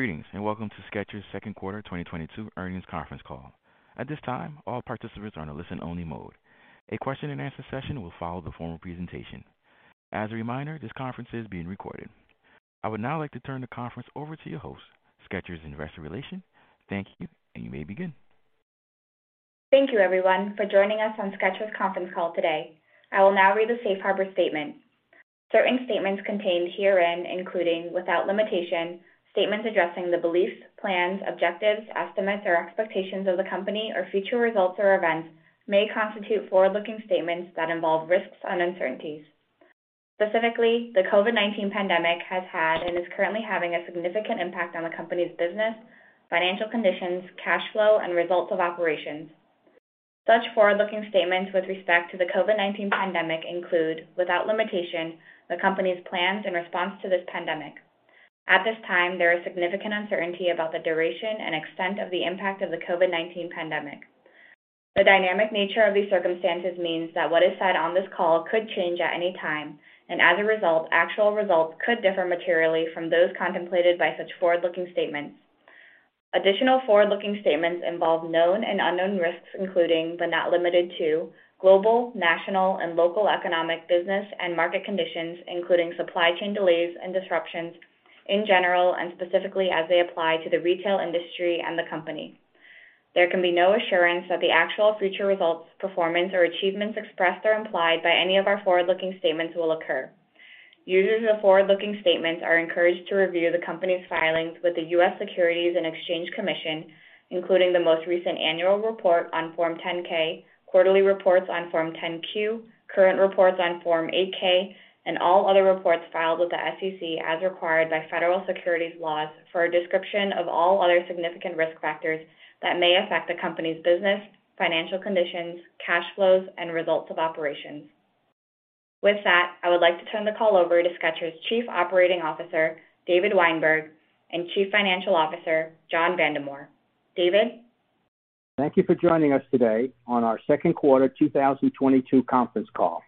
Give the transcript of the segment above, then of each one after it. Greetings, and welcome to Skechers' second quarter 2022 earnings conference call. At this time, all participants are in a listen-only mode. A question and answer session will follow the formal presentation. As a reminder, this conference is being recorded. I would now like to turn the conference over to your host, Skechers Investor Relations. Thank you, and you may begin. Thank you, everyone, for joining us on Skechers conference call today. I will now read the Safe Harbor statement. Certain statements contained herein, including without limitation, statements addressing the beliefs, plans, objectives, estimates, or expectations of the company or future results or events, may constitute forward-looking statements that involve risks and uncertainties. Specifically, the COVID-19 pandemic has had and is currently having a significant impact on the company's business, financial conditions, cash flow, and results of operations. Such forward-looking statements with respect to the COVID-19 pandemic include, without limitation, the company's plans in response to this pandemic. At this time, there is significant uncertainty about the duration and extent of the impact of the COVID-19 pandemic. The dynamic nature of these circumstances means that what is said on this call could change at any time, and as a result, actual results could differ materially from those contemplated by such forward-looking statements. Additional forward-looking statements involve known and unknown risks, including but not limited to global, national, and local economic business and market conditions, including supply chain delays and disruptions in general and specifically as they apply to the retail industry and the company. There can be no assurance that the actual future results, performance, or achievements expressed or implied by any of our forward-looking statements will occur. Users of the forward-looking statements are encouraged to review the company's filings with the U.S. Securities and Exchange Commission, including the most recent annual report on Form 10-K, quarterly reports on Form 10-Q, current reports on Form 8-K, and all other reports filed with the SEC as required by federal securities laws for a description of all other significant risk factors that may affect the company's business, financial conditions, cash flows, and results of operations. With that, I would like to turn the call over to Skechers' Chief Operating Officer, David Weinberg, and Chief Financial Officer, John Vandemore. David? Thank you for joining us today on our second quarter 2022 conference call.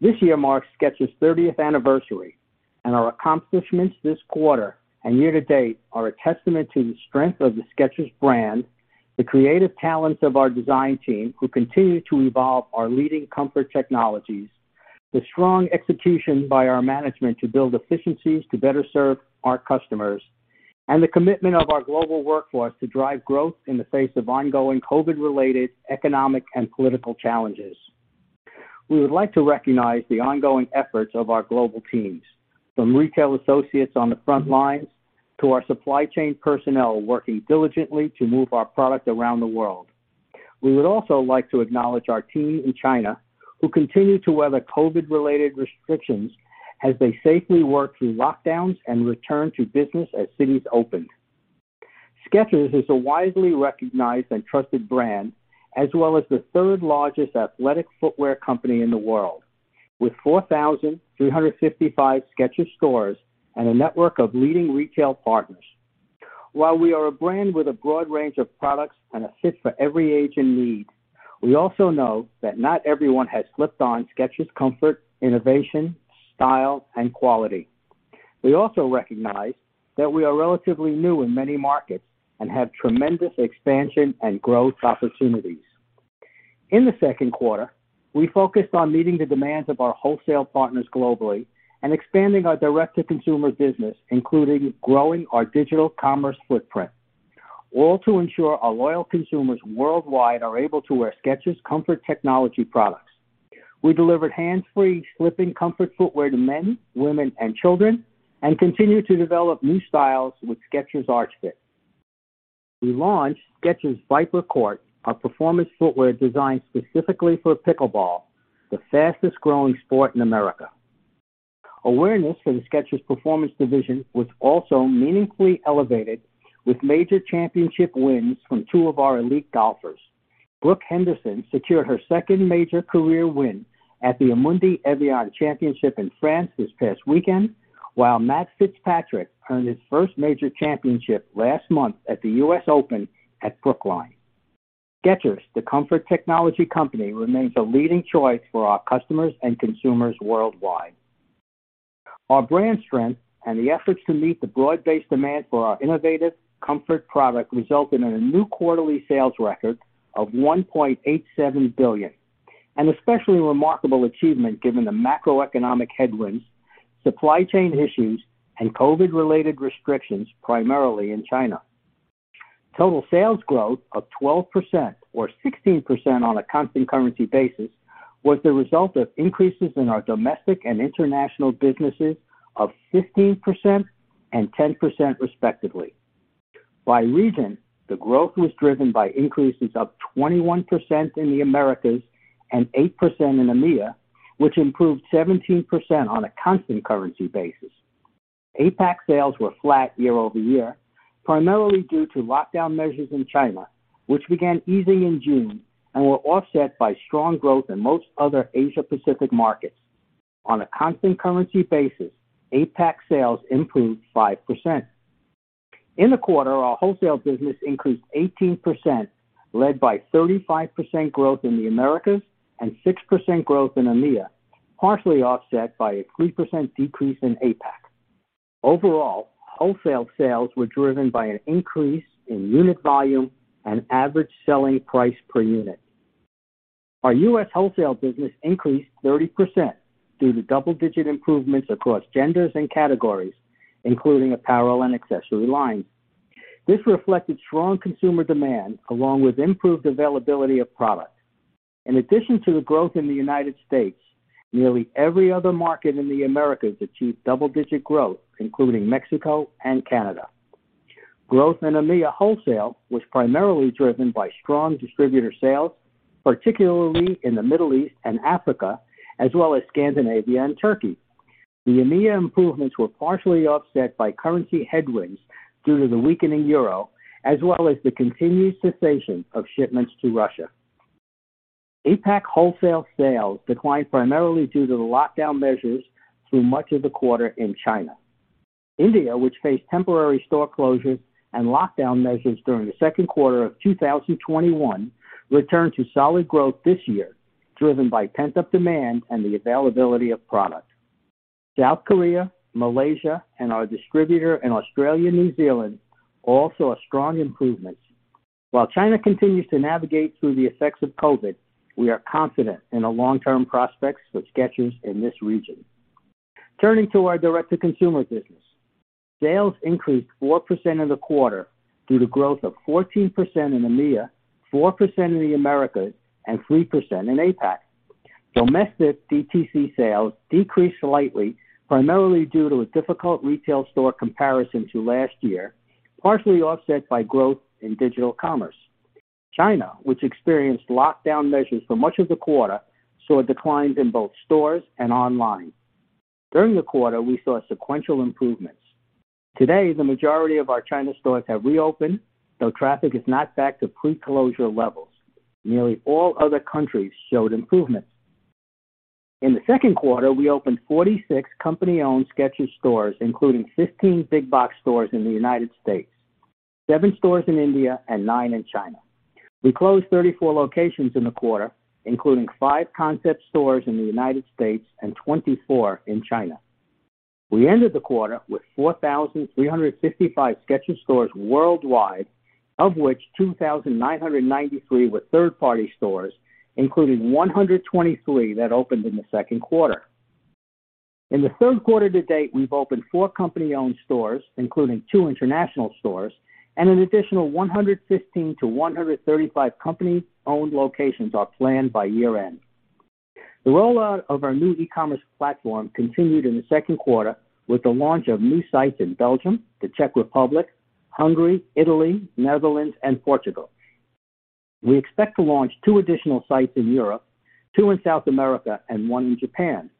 This year marks Skechers 30th anniversary, and our accomplishments this quarter and year to date are a testament to the strength of the Skechers brand, the creative talents of our design team, who continue to evolve our leading comfort technologies, the strong execution by our management to build efficiencies to better serve our customers, and the commitment of our global workforce to drive growth in the face of ongoing COVID-related economic and political challenges. We would like to recognize the ongoing efforts of our global teams, from retail associates on the front lines to our supply chain personnel working diligently to move our product around the world. We would also like to acknowledge our team in China, who continue to weather COVID-related restrictions as they safely work through lockdowns and return to business as cities open. Skechers is a widely recognized and trusted brand, as well as the third largest athletic footwear company in the world, with 4,355 Skechers stores and a network of leading retail partners. While we are a brand with a broad range of products and a fit for every age and need, we also know that not everyone has slipped on Skechers comfort, innovation, style, and quality. We also recognize that we are relatively new in many markets and have tremendous expansion and growth opportunities. In the second quarter, we focused on meeting the demands of our wholesale partners globally and expanding our direct-to-consumer business, including growing our digital commerce footprint, all to ensure our loyal consumers worldwide are able to wear Skechers comfort technology products. We delivered hands-free slipping comfort footwear to men, women, and children and continue to develop new styles with Skechers Arch Fit. We launched Skechers Viper Court, our performance footwear designed specifically for pickleball, the fastest growing sport in America. Awareness for the Skechers performance division was also meaningfully elevated with major championship wins from two of our elite golfers. Brooke Henderson secured her second major career win at the Amundi Evian Championship in France this past weekend, while Matt Fitzpatrick earned his first major championship last month at the U.S. Open at Brookline. Skechers, the comfort technology company, remains a leading choice for our customers and consumers worldwide. Our brand strength and the efforts to meet the broad-based demand for our innovative comfort product resulted in a new quarterly sales record of $1.87 billion. An especially remarkable achievement given the macroeconomic headwinds, supply chain issues, and COVID-related restrictions, primarily in China. Total sales growth of 12% or 16% on a constant currency basis was the result of increases in our domestic and international businesses of 15% and 10%, respectively. By region, the growth was driven by increases of 21% in the Americas and 8% in EMEA, which improved 17% on a constant currency basis. APAC sales were flat year-over-year, primarily due to lockdown measures in China, which began easing in June and were offset by strong growth in most other Asia-Pacific markets. On a constant currency basis, APAC sales improved 5%. In the quarter, our wholesale business increased 18%, led by 35% growth in the Americas and 6% growth in EMEA. Partially offset by a 3% decrease in APAC. Overall, wholesale sales were driven by an increase in unit volume and average selling price per unit. Our U.S. wholesale business increased 30% due to double-digit improvements across genders and categories, including apparel and accessory lines. This reflected strong consumer demand along with improved availability of product. In addition to the growth in the United States, nearly every other market in the Americas achieved double-digit growth, including Mexico and Canada. Growth in EMEA wholesale was primarily driven by strong distributor sales, particularly in the Middle East and Africa, as well as Scandinavia and Turkey. The EMEA improvements were partially offset by currency headwinds due to the weakening Euro, as well as the continued cessation of shipments to Russia. APAC wholesale sales declined primarily due to the lockdown measures through much of the quarter in China. India, which faced temporary store closures and lockdown measures during the second quarter of 2021, returned to solid growth this year, driven by pent-up demand and the availability of product. South Korea, Malaysia, and our distributor in Australia, New Zealand, also a strong improvement. While China continues to navigate through the effects of COVID, we are confident in the long-term prospects for Skechers in this region. Turning to our direct-to-consumer business. Sales increased 4% in the quarter due to growth of 14% in EMEA, 4% in the Americas, and 3% in APAC. Domestic DTC sales decreased slightly, primarily due to a difficult retail store comparison to last year, partially offset by growth in digital commerce. China, which experienced lockdown measures for much of the quarter, saw a decline in both stores and online. During the quarter, we saw sequential improvements. Today, the majority of our China stores have reopened, though traffic is not back to pre-closure levels. Nearly all other countries showed improvements. In the second quarter, we opened 46 company-owned Skechers stores, including 15 big box stores in the United States, seven stores in India, and nine in China. We closed 34 locations in the quarter, including five concept stores in the United States and 24 in China. We ended the quarter with 4,355 Skechers stores worldwide, of which 2,993 were third-party stores, including 123 that opened in the second quarter. In the third quarter to date, we've opened four company-owned stores, including two international stores, and an additional 115-135 company-owned locations are planned by year-end. The rollout of our new e-commerce platform continued in the second quarter with the launch of new sites in Belgium, the Czech Republic, Hungary, Italy, Netherlands, and Portugal. We expect to launch two additional sites in Europe, two in South America, and one in Japan.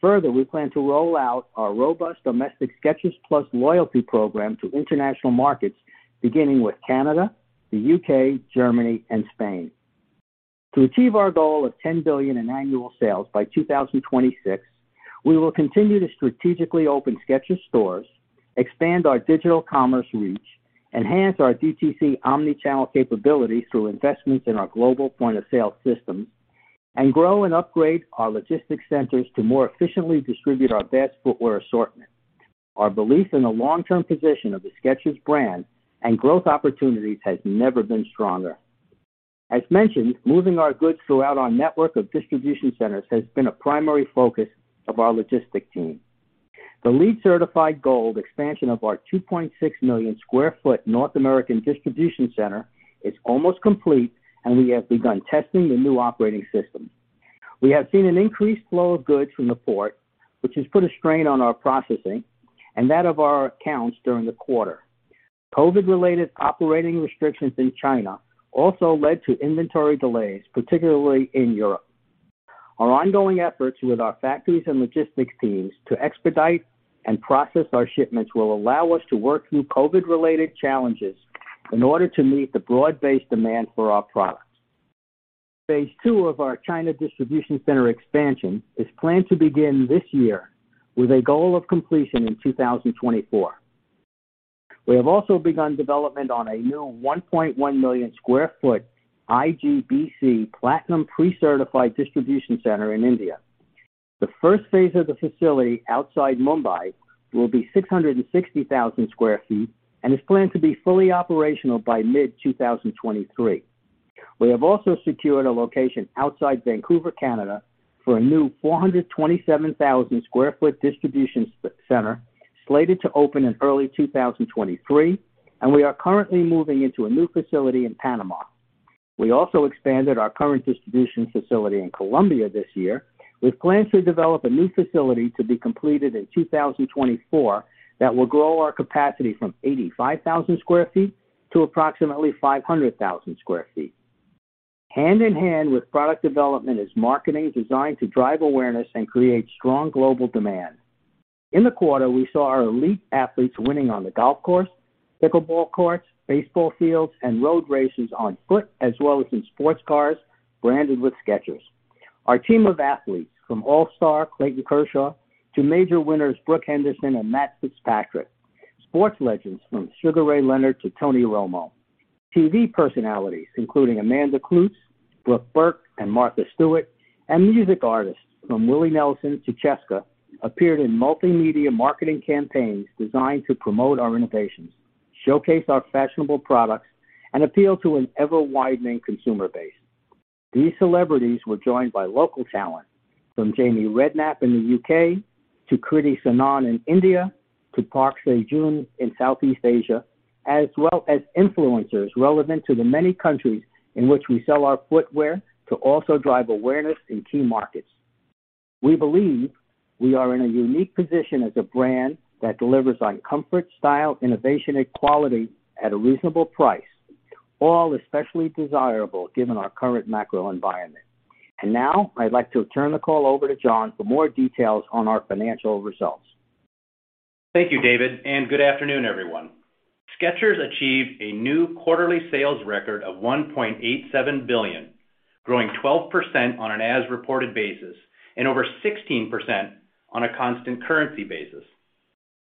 Further, we plan to roll out our robust domestic Skechers Plus loyalty program to international markets, beginning with Canada, the U.K., Germany, and Spain. To achieve our goal of $10 billion in annual sales by 2026, we will continue to strategically open Skechers stores, expand our digital commerce reach, enhance our DTC omni-channel capabilities through investments in our global point-of-sale systems, and grow and upgrade our logistics centers to more efficiently distribute our vast footwear assortment. Our belief in the long-term position of the Skechers brand and growth opportunities has never been stronger. As mentioned, moving our goods throughout our network of distribution centers has been a primary focus of our logistics team. The LEED certified gold expansion of our 2.6 million sq ft North American distribution center is almost complete, and we have begun testing the new operating system. We have seen an increased flow of goods from the port, which has put a strain on our processing and that of our accounts during the quarter. COVID-related operating restrictions in China also led to inventory delays, particularly in Europe. Our ongoing efforts with our factories and logistics teams to expedite and process our shipments will allow us to work through COVID-related challenges in order to meet the broad-based demand for our products. Phase II of our China distribution center expansion is planned to begin this year with a goal of completion in 2024. We have also begun development on a new 1.1 million sq ft IGBC platinum pre-certified distribution center in India. The first phase of the facility outside Mumbai will be 660,000 sq ft and is planned to be fully operational by mid-2023. We have also secured a location outside Vancouver, Canada for a new 427,000 sq ft distribution center slated to open in early 2023, and we are currently moving into a new facility in Panama. We also expanded our current distribution facility in Colombia this year with plans to develop a new facility to be completed in 2024 that will grow our capacity from 85,000 sq ft to approximately 500,000 sq ft. Hand in hand with product development is marketing designed to drive awareness and create strong global demand. In the quarter, we saw our elite athletes winning on the golf course, pickleball courts, baseball fields, and road races on foot, as well as in sports cars branded with Skechers. Our team of athletes from All-Star Clayton Kershaw to major winners Brooke Henderson and Matt Fitzpatrick. Sports legends from Sugar Ray Leonard to Tony Romo, TV personalities, including Amanda Kloots, Brooke Burke, and Martha Stewart, and music artists from Willie Nelson to Chesca appeared in multimedia marketing campaigns designed to promote our innovations, showcase our fashionable products, and appeal to an ever-widening consumer base. These celebrities were joined by local talent from Jamie Redknapp in the U.K. to Kriti Sanon in India to Park Seo-joon in Southeast Asia, as well as influencers relevant to the many countries in which we sell our footwear to also drive awareness in key markets. We believe we are in a unique position as a brand that delivers on comfort, style, innovation, and quality at a reasonable price, all especially desirable given our current macro environment. Now, I'd like to turn the call over to John for more details on our financial results. Thank you, David, and good afternoon, everyone. Skechers achieved a new quarterly sales record of $1.87 billion, growing 12% on an as-reported basis and over 16% on a constant currency basis.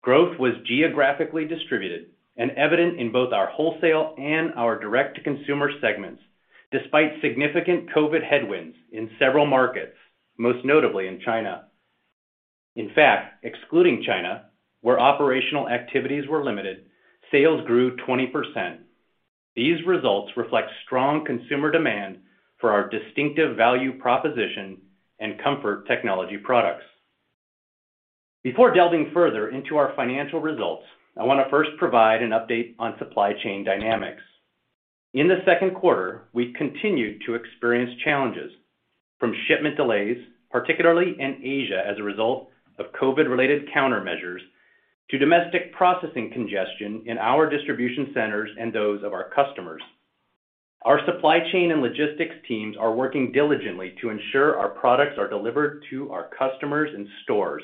Growth was geographically distributed and evident in both our wholesale and our direct-to-consumer segments, despite significant COVID headwinds in several markets, most notably in China. In fact, excluding China, where operational activities were limited, sales grew 20%. These results reflect strong consumer demand for our distinctive value proposition and comfort technology products. Before delving further into our financial results, I wanna first provide an update on supply chain dynamics. In the second quarter, we continued to experience challenges, from shipment delays, particularly in Asia, as a result of COVID-related countermeasures to domestic processing congestion in our distribution centers and those of our customers. Our supply chain and logistics teams are working diligently to ensure our products are delivered to our customers and stores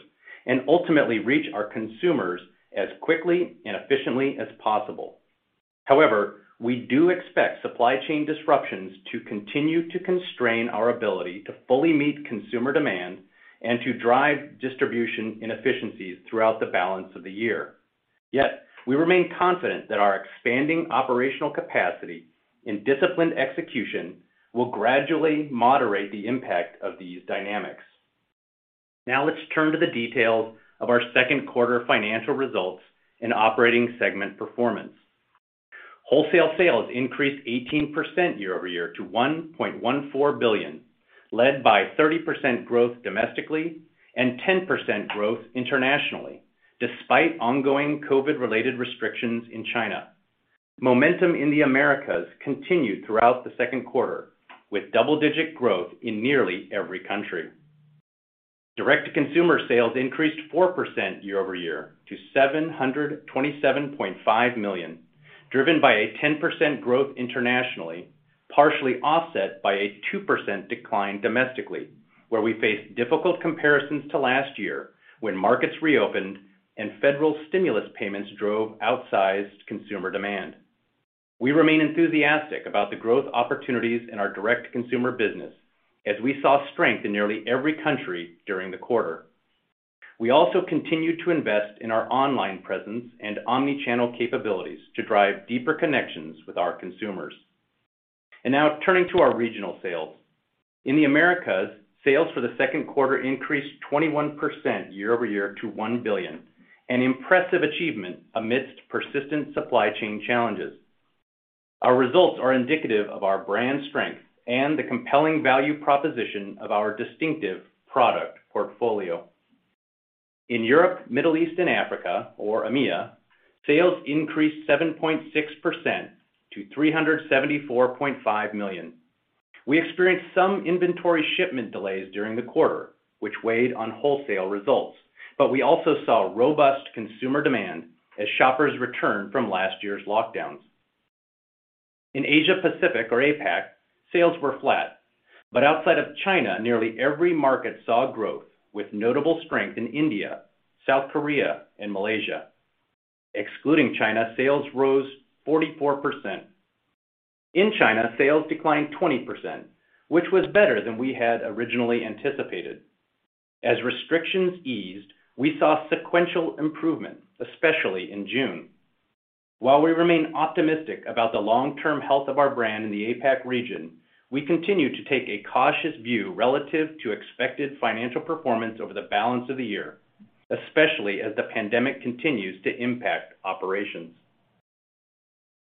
and ultimately reach our consumers as quickly and efficiently as possible. However, we do expect supply chain disruptions to continue to constrain our ability to fully meet consumer demand and to drive distribution inefficiencies throughout the balance of the year. Yet we remain confident that our expanding operational capacity and disciplined execution will gradually moderate the impact of these dynamics. Now let's turn to the details of our second quarter financial results and operating segment performance. Wholesale sales increased 18% year-over-year to $1.14 billion, led by 30% growth domestically and 10% growth internationally, despite ongoing COVID-related restrictions in China. Momentum in the Americas continued throughout the second quarter, with double-digit growth in nearly every country. Direct-to-consumer sales increased 4% year-over-year to $727.5 million, driven by a 10% growth internationally, partially offset by a 2% decline domestically, where we faced difficult comparisons to last year when markets reopened and federal stimulus payments drove outsized consumer demand. We remain enthusiastic about the growth opportunities in our direct-to-consumer business as we saw strength in nearly every country during the quarter. We also continued to invest in our online presence and omni-channel capabilities to drive deeper connections with our consumers. Now turning to our regional sales. In the Americas, sales for the second quarter increased 21% year-over-year to $1 billion, an impressive achievement amidst persistent supply chain challenges. Our results are indicative of our brand strength and the compelling value proposition of our distinctive product portfolio. In Europe, Middle East, and Africa, or EMEA, sales increased 7.6% to $374.5 million. We experienced some inventory shipment delays during the quarter, which weighed on wholesale results. We also saw robust consumer demand as shoppers returned from last year's lockdowns. In Asia Pacific, or APAC, sales were flat, but outside of China, nearly every market saw growth, with notable strength in India, South Korea, and Malaysia. Excluding China, sales rose 44%. In China, sales declined 20%, which was better than we had originally anticipated. As restrictions eased, we saw sequential improvement, especially in June. While we remain optimistic about the long-term health of our brand in the APAC region, we continue to take a cautious view relative to expected financial performance over the balance of the year, especially as the pandemic continues to impact operations.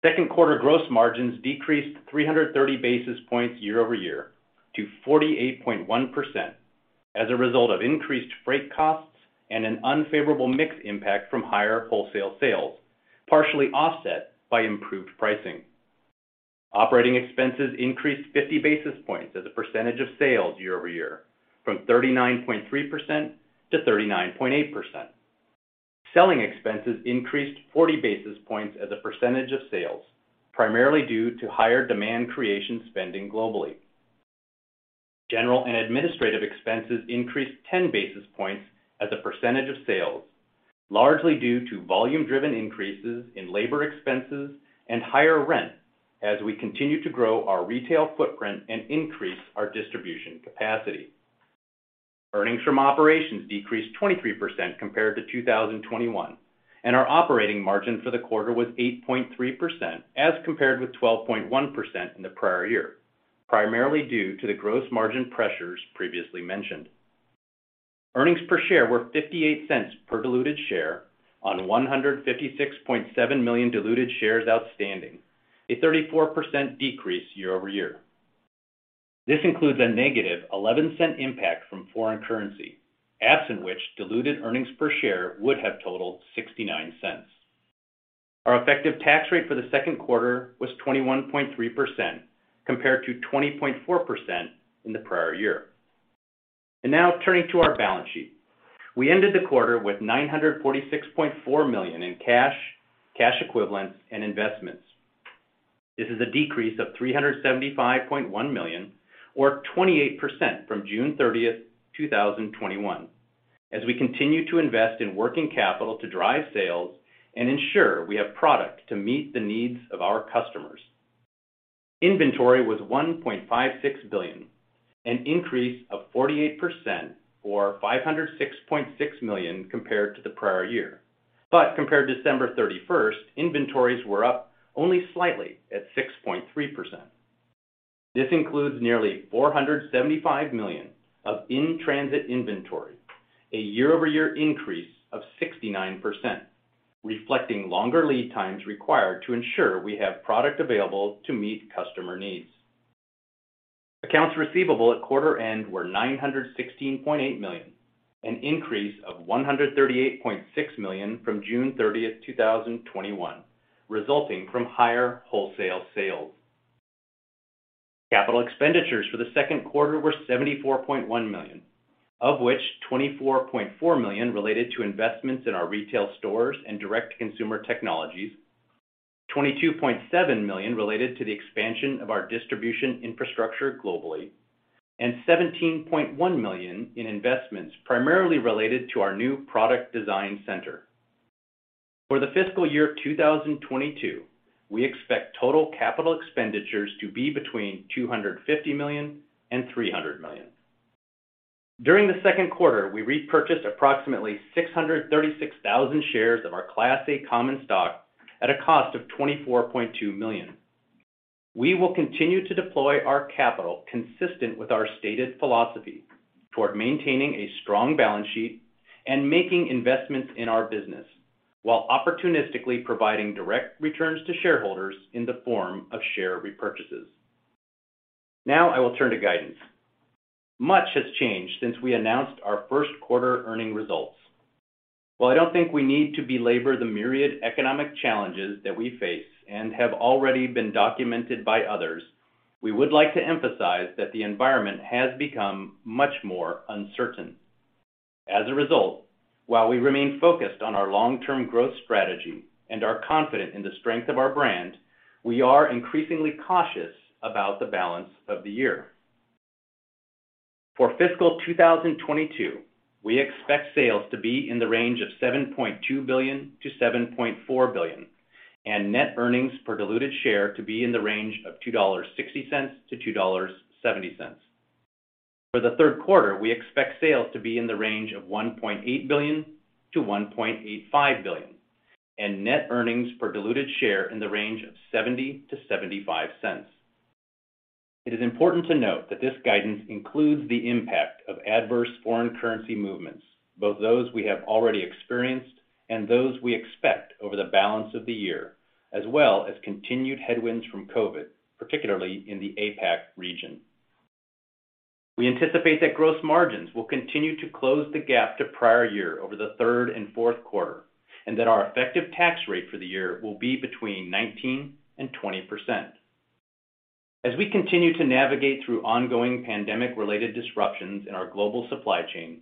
Second quarter gross margins decreased 330 basis points year-over-year to 48.1% as a result of increased freight costs and an unfavorable mix impact from higher wholesale sales, partially offset by improved pricing. Operating expenses increased 50 basis points as a percentage of sales year-over-year from 39.3%-39.8%. Selling expenses increased 40 basis points as a percentage of sales, primarily due to higher demand creation spending globally. General and administrative expenses increased 10 basis points as a percentage of sales, largely due to volume-driven increases in labor expenses and higher rent as we continue to grow our retail footprint and increase our distribution capacity. Earnings from operations decreased 23% compared to 2021, and our operating margin for the quarter was 8.3% as compared with 12.1% in the prior year, primarily due to the gross margin pressures previously mentioned. Earnings per share were $0.58 per diluted share on 156.7 million diluted shares outstanding, a 34% decrease year-over-year. This includes a -$0.11 impact from foreign currency, absent which diluted earnings per share would have totaled $0.69. Our effective tax rate for the second quarter was 21.3% compared to 20.4% in the prior year. Now turning to our balance sheet. We ended the quarter with $946.4 million in cash equivalents, and investments. This is a decrease of $375.1 million or 28% from June 30th, 2021, as we continue to invest in working capital to drive sales and ensure we have product to meet the needs of our customers. Inventory was $1.56 billion, an increase of 48% or $506.6 million compared to the prior year. Compared to December 31st, inventories were up only slightly at 6.3%. This includes nearly $475 million of in-transit inventory, a year-over-year increase of 69%, reflecting longer lead times required to ensure we have product available to meet customer needs. Accounts receivable at quarter end were $916.8 million, an increase of $138.6 million from June 30th, 2021, resulting from higher wholesale sales. Capital expenditures for the second quarter were $74.1 million, of which $24.4 million related to investments in our retail stores and direct consumer technologies, $22.7 million related to the expansion of our distribution infrastructure globally, and $17.1 million in investments primarily related to our new product design center. For the fiscal year 2022, we expect total capital expenditures to be between $250 million and $300 million. During the second quarter, we repurchased approximately 636,000 shares of our Class A common stock at a cost of $24.2 million. We will continue to deploy our capital consistent with our stated philosophy toward maintaining a strong balance sheet and making investments in our business while opportunistically providing direct returns to shareholders in the form of share repurchases. Now I will turn to guidance. Much has changed since we announced our first quarter earnings results. While I don't think we need to belabor the myriad economic challenges that we face and have already been documented by others, we would like to emphasize that the environment has become much more uncertain. As a result, while we remain focused on our long-term growth strategy and are confident in the strength of our brand, we are increasingly cautious about the balance of the year. For fiscal 2022, we expect sales to be in the range of $7.2 billion-$7.4 billion, and net earnings per diluted share to be in the range of $2.60-$2.70. For the third quarter, we expect sales to be in the range of $1.8 billion-$1.85 billion, and net earnings per diluted share in the range of $0.70-$0.75. It is important to note that this guidance includes the impact of adverse foreign currency movements, both those we have already experienced and those we expect over the balance of the year, as well as continued headwinds from COVID, particularly in the APAC region. We anticipate that gross margins will continue to close the gap to prior year over the third and fourth quarter, and that our effective tax rate for the year will be between 19% and 20%. As we continue to navigate through ongoing pandemic-related disruptions in our global supply chain,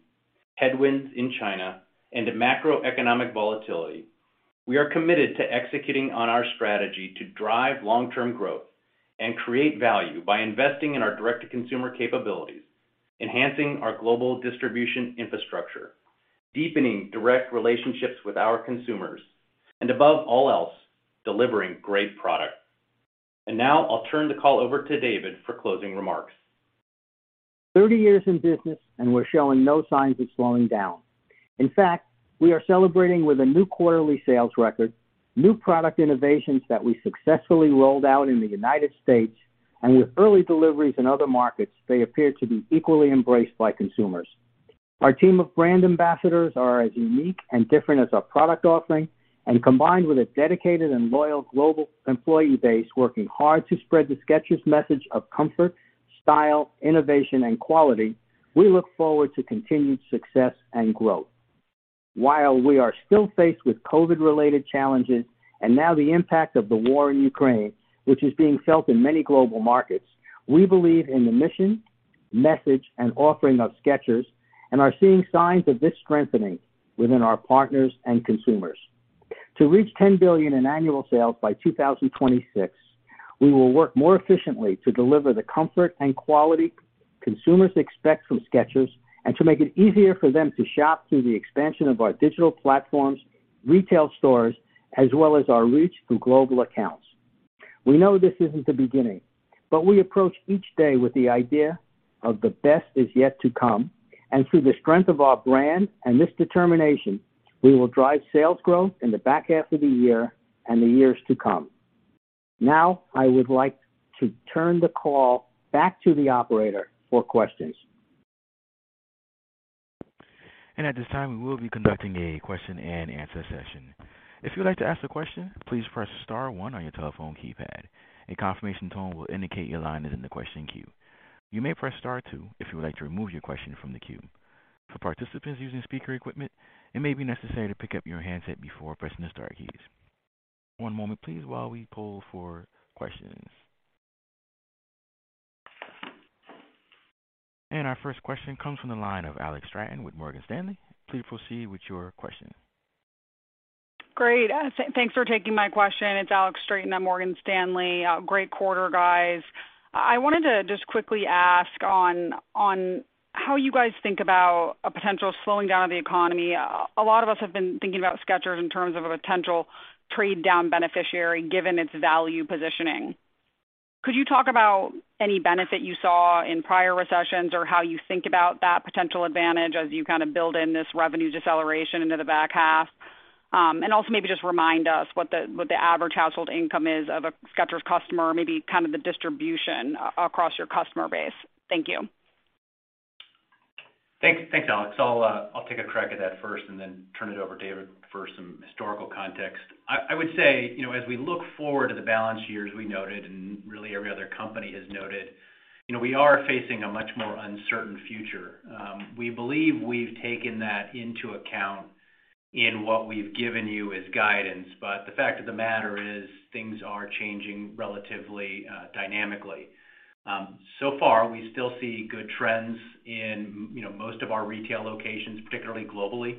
headwinds in China, and a macroeconomic volatility, we are committed to executing on our strategy to drive long-term growth and create value by investing in our direct-to-consumer capabilities, enhancing our global distribution infrastructure, deepening direct relationships with our consumers, and above all else, delivering great product. Now I'll turn the call over to David for closing remarks. 30 years in business, and we're showing no signs of slowing down. In fact, we are celebrating with a new quarterly sales record, new product innovations that we successfully rolled out in the United States, and with early deliveries in other markets, they appear to be equally embraced by consumers. Our team of brand ambassadors are as unique and different as our product offering, and combined with a dedicated and loyal global employee base working hard to spread the Skechers message of comfort, style, innovation, and quality, we look forward to continued success and growth. While we are still faced with COVID related challenges and now the impact of the war in Ukraine, which is being felt in many global markets, we believe in the mission, message, and offering of Skechers and are seeing signs of this strengthening within our partners and consumers. To reach $10 billion in annual sales by 2026, we will work more efficiently to deliver the comfort and quality consumers expect from Skechers and to make it easier for them to shop through the expansion of our digital platforms, retail stores, as well as our reach through global accounts. We know this isn't the beginning, but we approach each day with the idea of the best is yet to come. Through the strength of our brand and this determination, we will drive sales growth in the back half of the year and the years to come. Now, I would like to turn the call back to the operator for questions. At this time, we will be conducting a question and answer session. If you'd like to ask a question, please press star one on your telephone keypad. A confirmation tone will indicate your line is in the question queue. You may press star two if you would like to remove your question from the queue. For participants using speaker equipment, it may be necessary to pick up your handset before pressing the star keys. One moment please, while we poll for questions. Our first question comes from the line of Alex Straton with Morgan Stanley. Please proceed with your question. Great. Thanks for taking my question. It's Alex Straton at Morgan Stanley. Great quarter, guys. I wanted to just quickly ask on how you guys think about a potential slowing down of the economy. A lot of us have been thinking about Skechers in terms of a potential trade down beneficiary given its value positioning. Could you talk about any benefit you saw in prior recessions or how you think about that potential advantage as you kind of build in this revenue deceleration into the back half? Also maybe just remind us what the average household income is of a Skechers customer, maybe kind of the distribution across your customer base. Thank you. Thanks, Alex. I'll take a crack at that first and then turn it over to David for some historical context. I would say, you know, as we look forward to the back half as we noted, and really every other company has noted, you know, we are facing a much more uncertain future. We believe we've taken that into account in what we've given you as guidance, but the fact of the matter is things are changing relatively dynamically. So far, we still see good trends in, you know, most of our retail locations, particularly globally.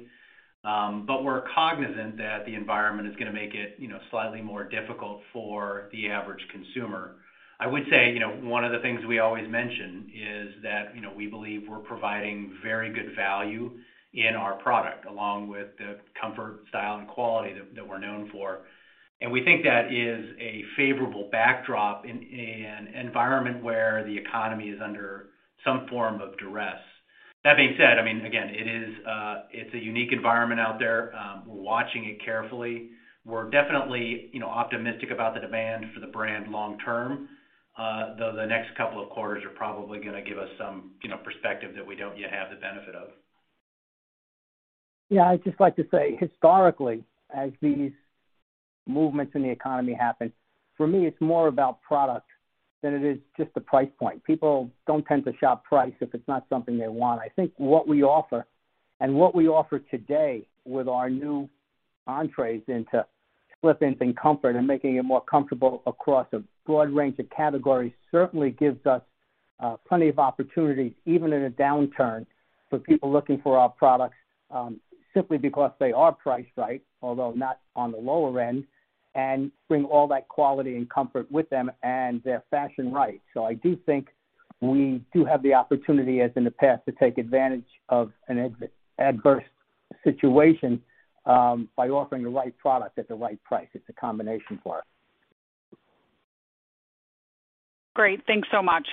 But we're cognizant that the environment is gonna make it, you know, slightly more difficult for the average consumer. I would say, you know, one of the things we always mention is that, you know, we believe we're providing very good value in our product, along with the comfort, style, and quality that we're known for. We think that is a favorable backdrop in an environment where the economy is under some form of duress. That being said, I mean, again, it is, it's a unique environment out there, we're watching it carefully. We're definitely, you know, optimistic about the demand for the brand long term. Though the next couple of quarters are probably gonna give us some, you know, perspective that we don't yet have the benefit of. Yeah. I'd just like to say historically, as these movements in the economy happen, for me, it's more about product than it is just the price point. People don't tend to shop price if it's not something they want. I think what we offer and what we offer today with our new entries into Slip-ins and comfort and making it more comfortable across a broad range of categories, certainly gives us plenty of opportunities, even in a downturn, for people looking for our products simply because they are priced right, although not on the lower end, and bring all that quality and comfort with them, and they're fashion right. I do think we do have the opportunity, as in the past, to take advantage of an adverse situation by offering the right product at the right price. It's a combination for us. Great. Thanks so much.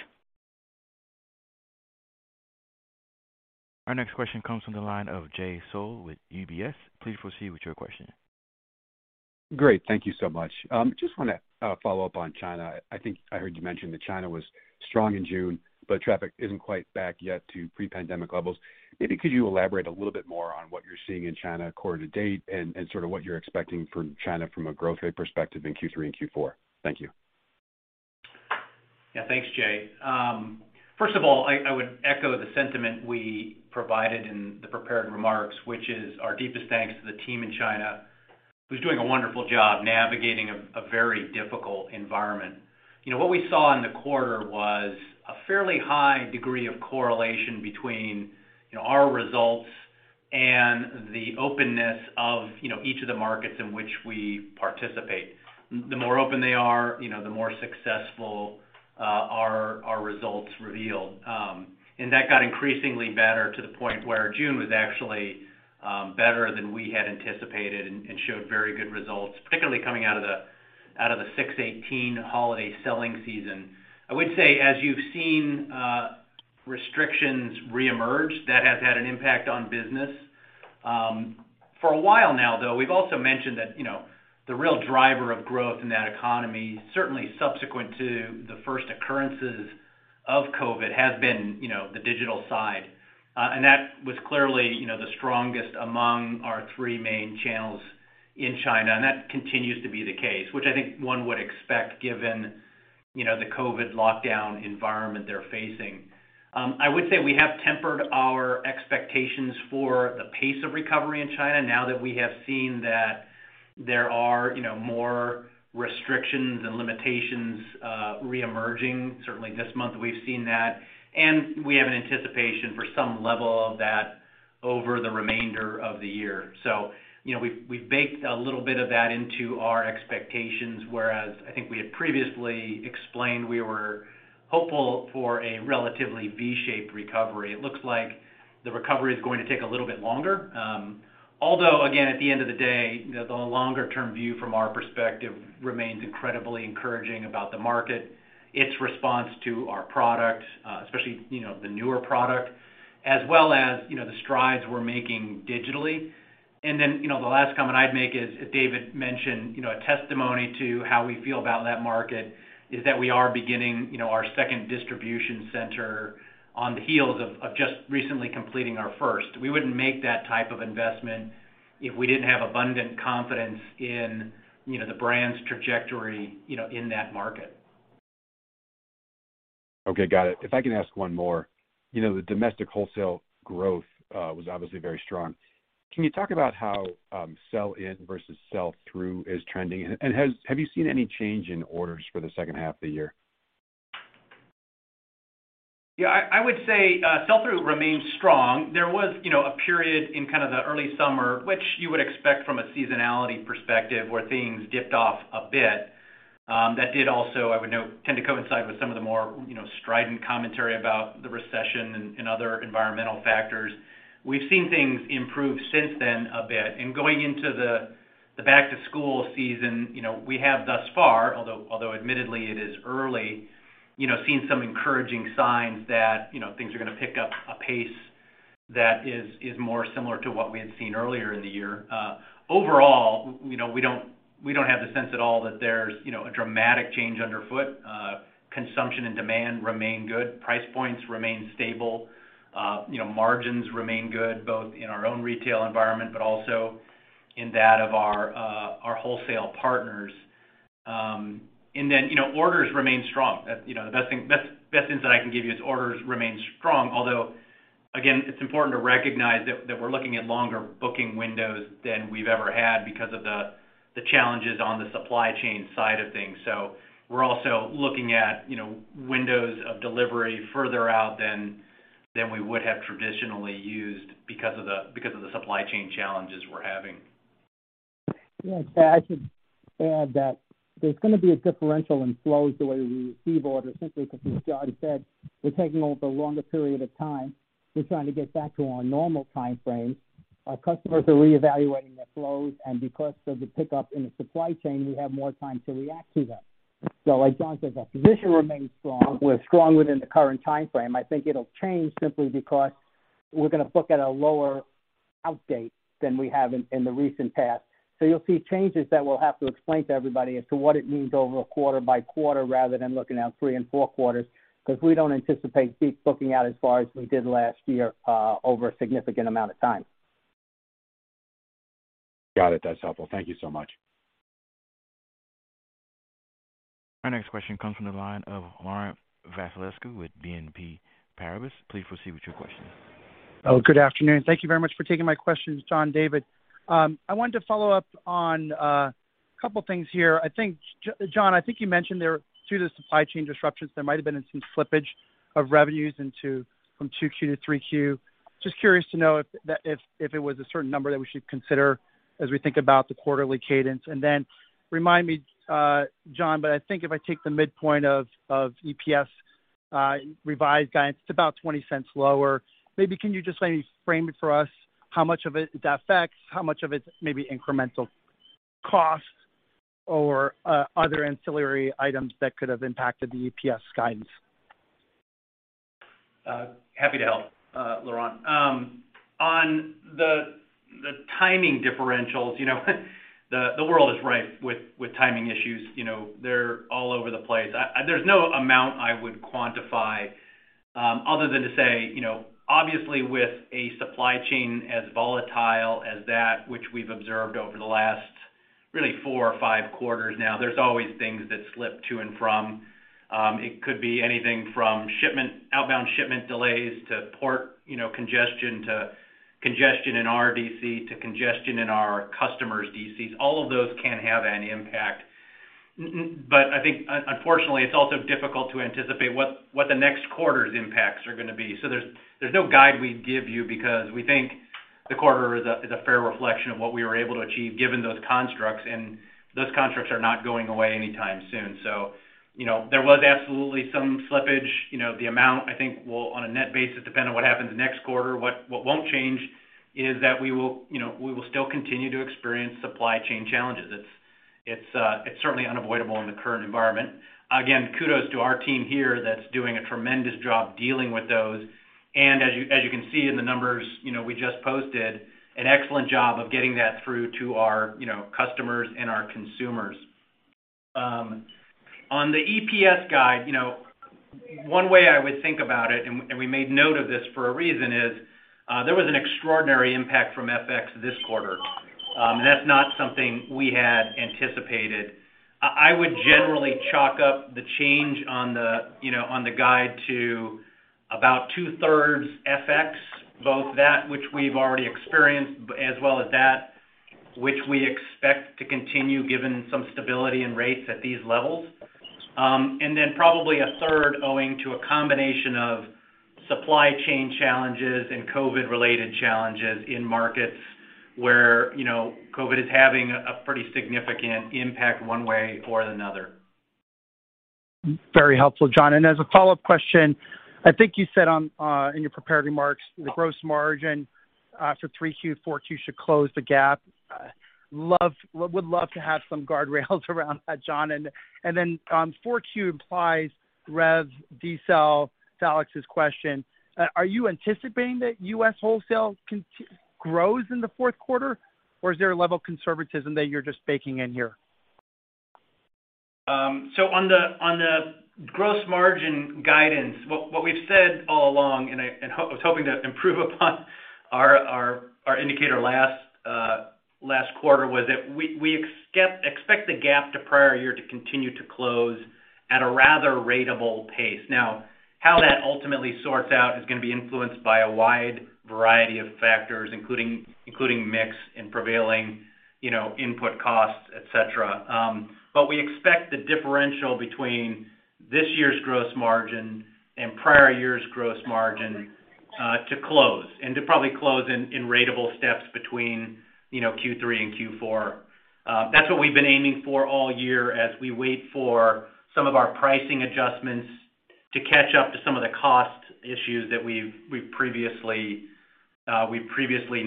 Our next question comes from the line of Jay Sole with UBS. Please proceed with your question. Great. Thank you so much. Just wanna follow up on China. I think I heard you mention that China was strong in June, but traffic isn't quite back yet to pre-pandemic levels. Maybe could you elaborate a little bit more on what you're seeing in China quarter to date and sort of what you're expecting from China from a growth rate perspective in Q3 and Q4? Thank you. Yeah. Thanks, Jay. First of all, I would echo the sentiment we provided in the prepared remarks, which is our deepest thanks to the team in China, who's doing a wonderful job navigating a very difficult environment. You know, what we saw in the quarter was a fairly high degree of correlation between, you know, our results and the openness of, you know, each of the markets in which we participate. The more open they are, you know, the more successful our results reveal. And that got increasingly better to the point where June was actually better than we had anticipated and showed very good results, particularly coming out of the 618 holiday selling season. I would say, as you've seen, restrictions reemerge. That has had an impact on business. For a while now, though, we've also mentioned that, you know, the real driver of growth in that economy, certainly subsequent to the first occurrences of COVID, has been, you know, the digital side. That was clearly, you know, the strongest among our three main channels in China, and that continues to be the case, which I think one would expect given, you know, the COVID lockdown environment they're facing. I would say we have tempered our expectations for the pace of recovery in China now that we have seen that there are, you know, more restrictions and limitations, reemerging. Certainly, this month we've seen that, and we have an anticipation for some level of that over the remainder of the year. You know, we've baked a little bit of that into our expectations, whereas I think we had previously explained we were hopeful for a relatively V-shaped recovery. It looks like the recovery is going to take a little bit longer. Although again, at the end of the day, the longer-term view from our perspective remains incredibly encouraging about the market, its response to our product, especially, you know, the newer product, as well as, you know, the strides we're making digitally. You know, the last comment I'd make is, as David mentioned, you know, a testimony to how we feel about that market is that we are beginning, you know, our second distribution center on the heels of just recently completing our first. We wouldn't make that type of investment if we didn't have abundant confidence in, you know, the brand's trajectory, you know, in that market. Okay, got it. If I can ask one more. You know, the domestic wholesale growth was obviously very strong. Can you talk about how sell-in versus sell-through is trending? Have you seen any change in orders for the second half of the year? Yeah, I would say sell-through remains strong. There was, you know, a period in kind of the early summer, which you would expect from a seasonality perspective, where things dipped off a bit. That did also, I would note, tend to coincide with some of the more, you know, strident commentary about the recession and other environmental factors. We've seen things improve since then a bit. Going into the back-to-school season, you know, we have thus far, although admittedly it is early, you know, seen some encouraging signs that, you know, things are gonna pick up a pace that is more similar to what we had seen earlier in the year. Overall, you know, we don't have the sense at all that there's, you know, a dramatic change underfoot. Consumption and demand remain good, price points remain stable. You know, margins remain good, both in our own retail environment, but also in that of our wholesale partners. You know, orders remain strong. That's, you know, the best insight I can give you is orders remain strong. Although, again, it's important to recognize that we're looking at longer booking windows than we've ever had because of the challenges on the supply chain side of things. We're also looking at, you know, windows of delivery further out than we would have traditionally used because of the supply chain challenges we're having. Yeah. I should add that there's gonna be a differential in flows, the way we receive orders, simply because as John said, we're taking over a longer period of time. We're trying to get back to our normal timeframe. Our customers are reevaluating their flows, and because of the pickup in the supply chain, we have more time to react to them. Like John says, our position remains strong. We're strong within the current timeframe. I think it'll change simply because we're gonna book at a lower out date than we have in the recent past. You'll see changes that we'll have to explain to everybody as to what it means over a quarter by quarter rather than looking out three and four quarters, because we don't anticipate deep booking out as far as we did last year over a significant amount of time. Got it. That's helpful. Thank you so much. Our next question comes from the line of Laurent Vasilescu with BNP Paribas. Please proceed with your question. Good afternoon. Thank you very much for taking my questions, John, David. I wanted to follow up on a couple things here. I think John, I think you mentioned there, due to the supply chain disruptions, there might have been some slippage of revenues from 2Q to 3Q. Just curious to know if that if it was a certain number that we should consider as we think about the quarterly cadence. Remind me, John, but I think if I take the midpoint of EPS revised guidance, it's about $0.20 lower. Maybe can you just frame it for us, how much of it affects, how much of it may be incremental costs or other ancillary items that could have impacted the EPS guidance? Happy to help, Laurent. On the timing differentials, you know the world is rife with timing issues, you know. They're all over the place. There's no amount I would quantify other than to say, you know, obviously with a supply chain as volatile as that which we've observed over the last really four or five quarters now, there's always things that slip to and from. It could be anything from outbound shipment delays to port congestion to congestion in our DC to congestion in our customers' DCs. All of those can have an impact. I think unfortunately, it's also difficult to anticipate what the next quarter's impacts are gonna be. There's no guide we can give you because we think the quarter is a fair reflection of what we were able to achieve given those constructs, and those constructs are not going away anytime soon. You know, there was absolutely some slippage. You know, the amount I think will, on a net basis, depend on what happens next quarter. What won't change is that we will, you know, still continue to experience supply chain challenges. It's certainly unavoidable in the current environment. Again, kudos to our team here that's doing a tremendous job dealing with those. As you can see in the numbers, you know, we just posted an excellent job of getting that through to our, you know, customers and our consumers. On the EPS guide, you know, one way I would think about it, and we made note of this for a reason, is there was an extraordinary impact from FX this quarter. That's not something we had anticipated. I would generally chalk up the change on the, you know, on the guide to about 2/3 FX, both that which we've already experienced as well as that which we expect to continue given some stability in rates at these levels. Probably a third owing to a combination of supply chain challenges and COVID-related challenges in markets where, you know, COVID is having a pretty significant impact one way or another. Very helpful, John. As a follow-up question, I think you said in your prepared remarks, the gross margin for 3Q, 4Q should close the gap. Would love to have some guardrails around that, John. Then, 4Q implies rev decel to Alex's question. Are you anticipating that U.S. wholesale grows in the fourth quarter, or is there a level of conservatism that you're just baking in here? On the gross margin guidance, what we've said all along, and I was hoping to improve upon our indicator last quarter was that we expect the gap to prior year to continue to close at a rather ratable pace. Now, how that ultimately sorts out is gonna be influenced by a wide variety of factors, including mix and prevailing, you know, input costs, et cetera. We expect the differential between this year's gross margin and prior year's gross margin to close and to probably close in ratable steps between, you know, Q3 and Q4. That's what we've been aiming for all year as we wait for some of our pricing adjustments to catch up to some of the cost issues that we've previously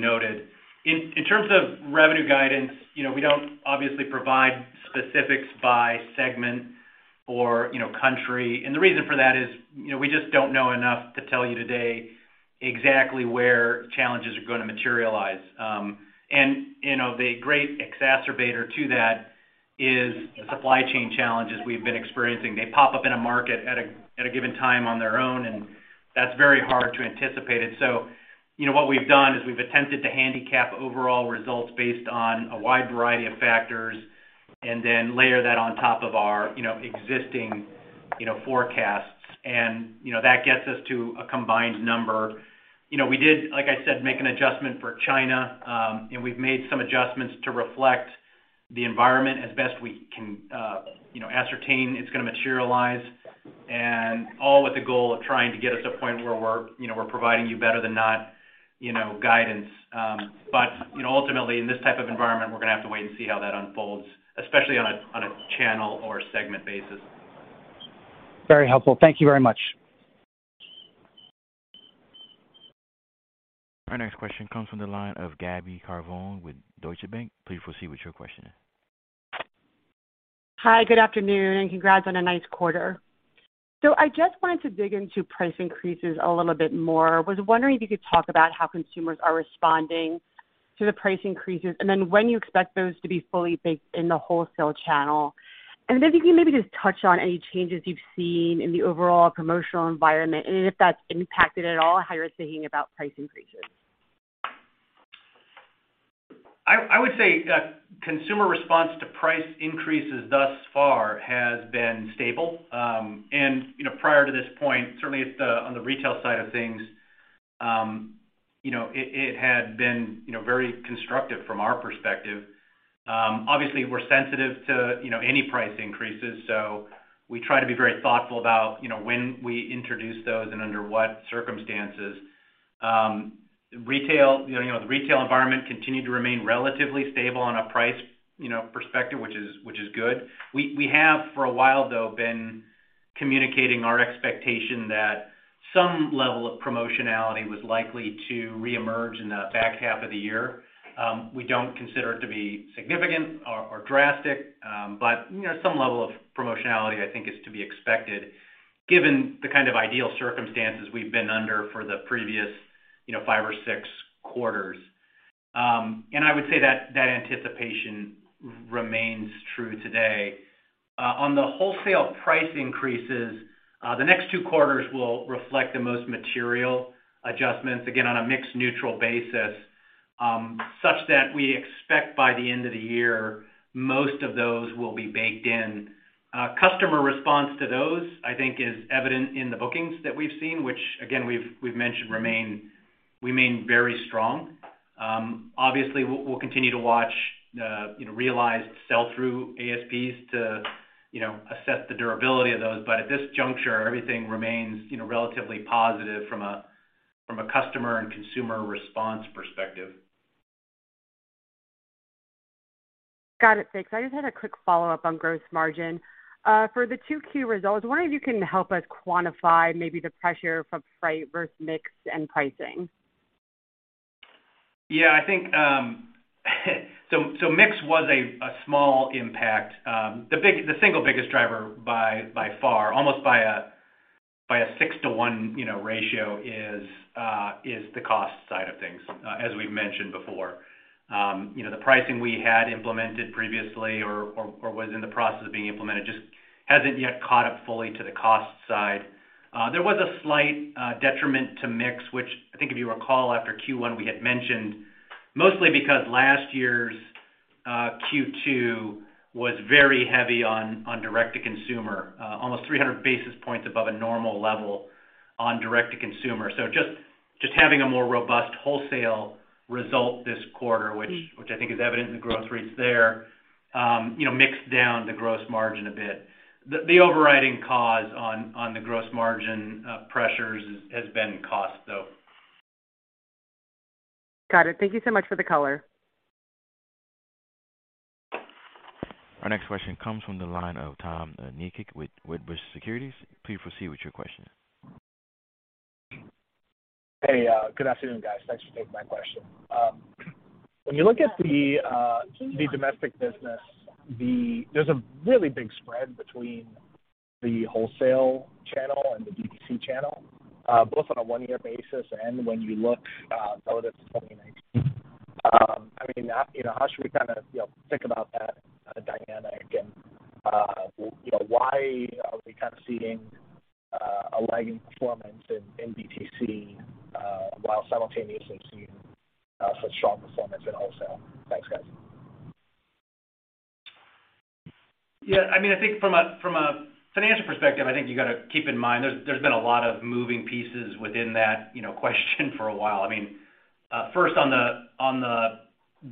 noted. In terms of revenue guidance, you know, we don't obviously provide specifics by segment or, you know, country. The reason for that is, you know, we just don't know enough to tell you today exactly where challenges are gonna materialize. You know, the great exacerbator to that is the supply chain challenges we've been experiencing. They pop up in a market at a given time on their own, and that's very hard to anticipate it. You know, what we've done is we've attempted to handicap overall results based on a wide variety of factors and then layer that on top of our, you know, existing, you know, forecasts and, you know, that gets us to a combined number. You know, we did, like I said, make an adjustment for China, and we've made some adjustments to reflect the environment as best we can, you know, ascertain it's gonna materialize. All with the goal of trying to get us a point where we're, you know, providing you better than not, you know, guidance. You know, ultimately in this type of environment, we're gonna have to wait and see how that unfolds, especially on a channel or a segment basis. Very helpful. Thank you very much. Our next question comes from the line of Gaby Carbone with Deutsche Bank. Please proceed with your question. Hi, good afternoon, and congrats on a nice quarter. I just wanted to dig into price increases a little bit more. Was wondering if you could talk about how consumers are responding to the price increases, and then when you expect those to be fully baked in the wholesale channel. If you can maybe just touch on any changes you've seen in the overall promotional environment, and if that's impacted at all, how you're thinking about price increases. I would say that consumer response to price increases thus far has been stable. You know, prior to this point, certainly on the retail side of things, you know, it had been, you know, very constructive from our perspective. Obviously we're sensitive to, you know, any price increases, so we try to be very thoughtful about, you know, when we introduce those and under what circumstances. Retail, you know, the retail environment continued to remain relatively stable on a price, you know, perspective, which is good. We have for a while though been communicating our expectation that some level of promotionality was likely to reemerge in the back half of the year. We don't consider it to be significant or drastic, but you know, some level of promotionality I think is to be expected given the kind of ideal circumstances we've been under for the previous, you know, five or six quarters. I would say that anticipation remains true today. On the wholesale price increases, the next two quarters will reflect the most material adjustments, again, on a mix neutral basis, such that we expect by the end of the year, most of those will be baked in. Customer response to those, I think is evident in the bookings that we've seen, which again, we've mentioned remain very strong. Obviously we'll continue to watch the, you know, realized sell-through ASPs to, you know, assess the durability of those. At this juncture, everything remains, you know, relatively positive from a customer and consumer response perspective. Got it, thanks. I just had a quick follow-up on gross margin. For the two key results, wondering if you can help us quantify maybe the pressure from freight versus mix and pricing? Yeah, I think so mix was a small impact. The single biggest driver by far, almost by a six-to-one, you know, ratio is the cost side of things, as we've mentioned before. You know, the pricing we had implemented previously or was in the process of being implemented just hasn't yet caught up fully to the cost side. There was a slight detriment to mix, which I think if you recall after Q1 we had mentioned mostly because last year's Q2 was very heavy on direct-to-consumer, almost 300 basis points above a normal level on direct-to-consumer. Just having a more robust wholesale result this quarter, which I think is evident in the growth rates there, you know, mixed down the gross margin a bit. The overriding cause on the gross margin pressures has been cost, though. Got it. Thank you so much for the color. Our next question comes from the line of Tom Nikic with Wedbush Securities. Please proceed with your question. Hey, good afternoon, guys. Thanks for taking my question. When you look at the domestic business, there's a really big spread between the wholesale channel and the DTC channel, both on a one-year basis and when you look relative to 2019. I mean, how should we kind of, you know, think about that dynamic? You know, why are we kind of seeing a lagging performance in DTC while simultaneously seeing such strong performance in wholesale? Thanks, guys. Yeah, I mean, I think from a financial perspective, I think you gotta keep in mind there's been a lot of moving parts within that, you know, question for a while. I mean, first on the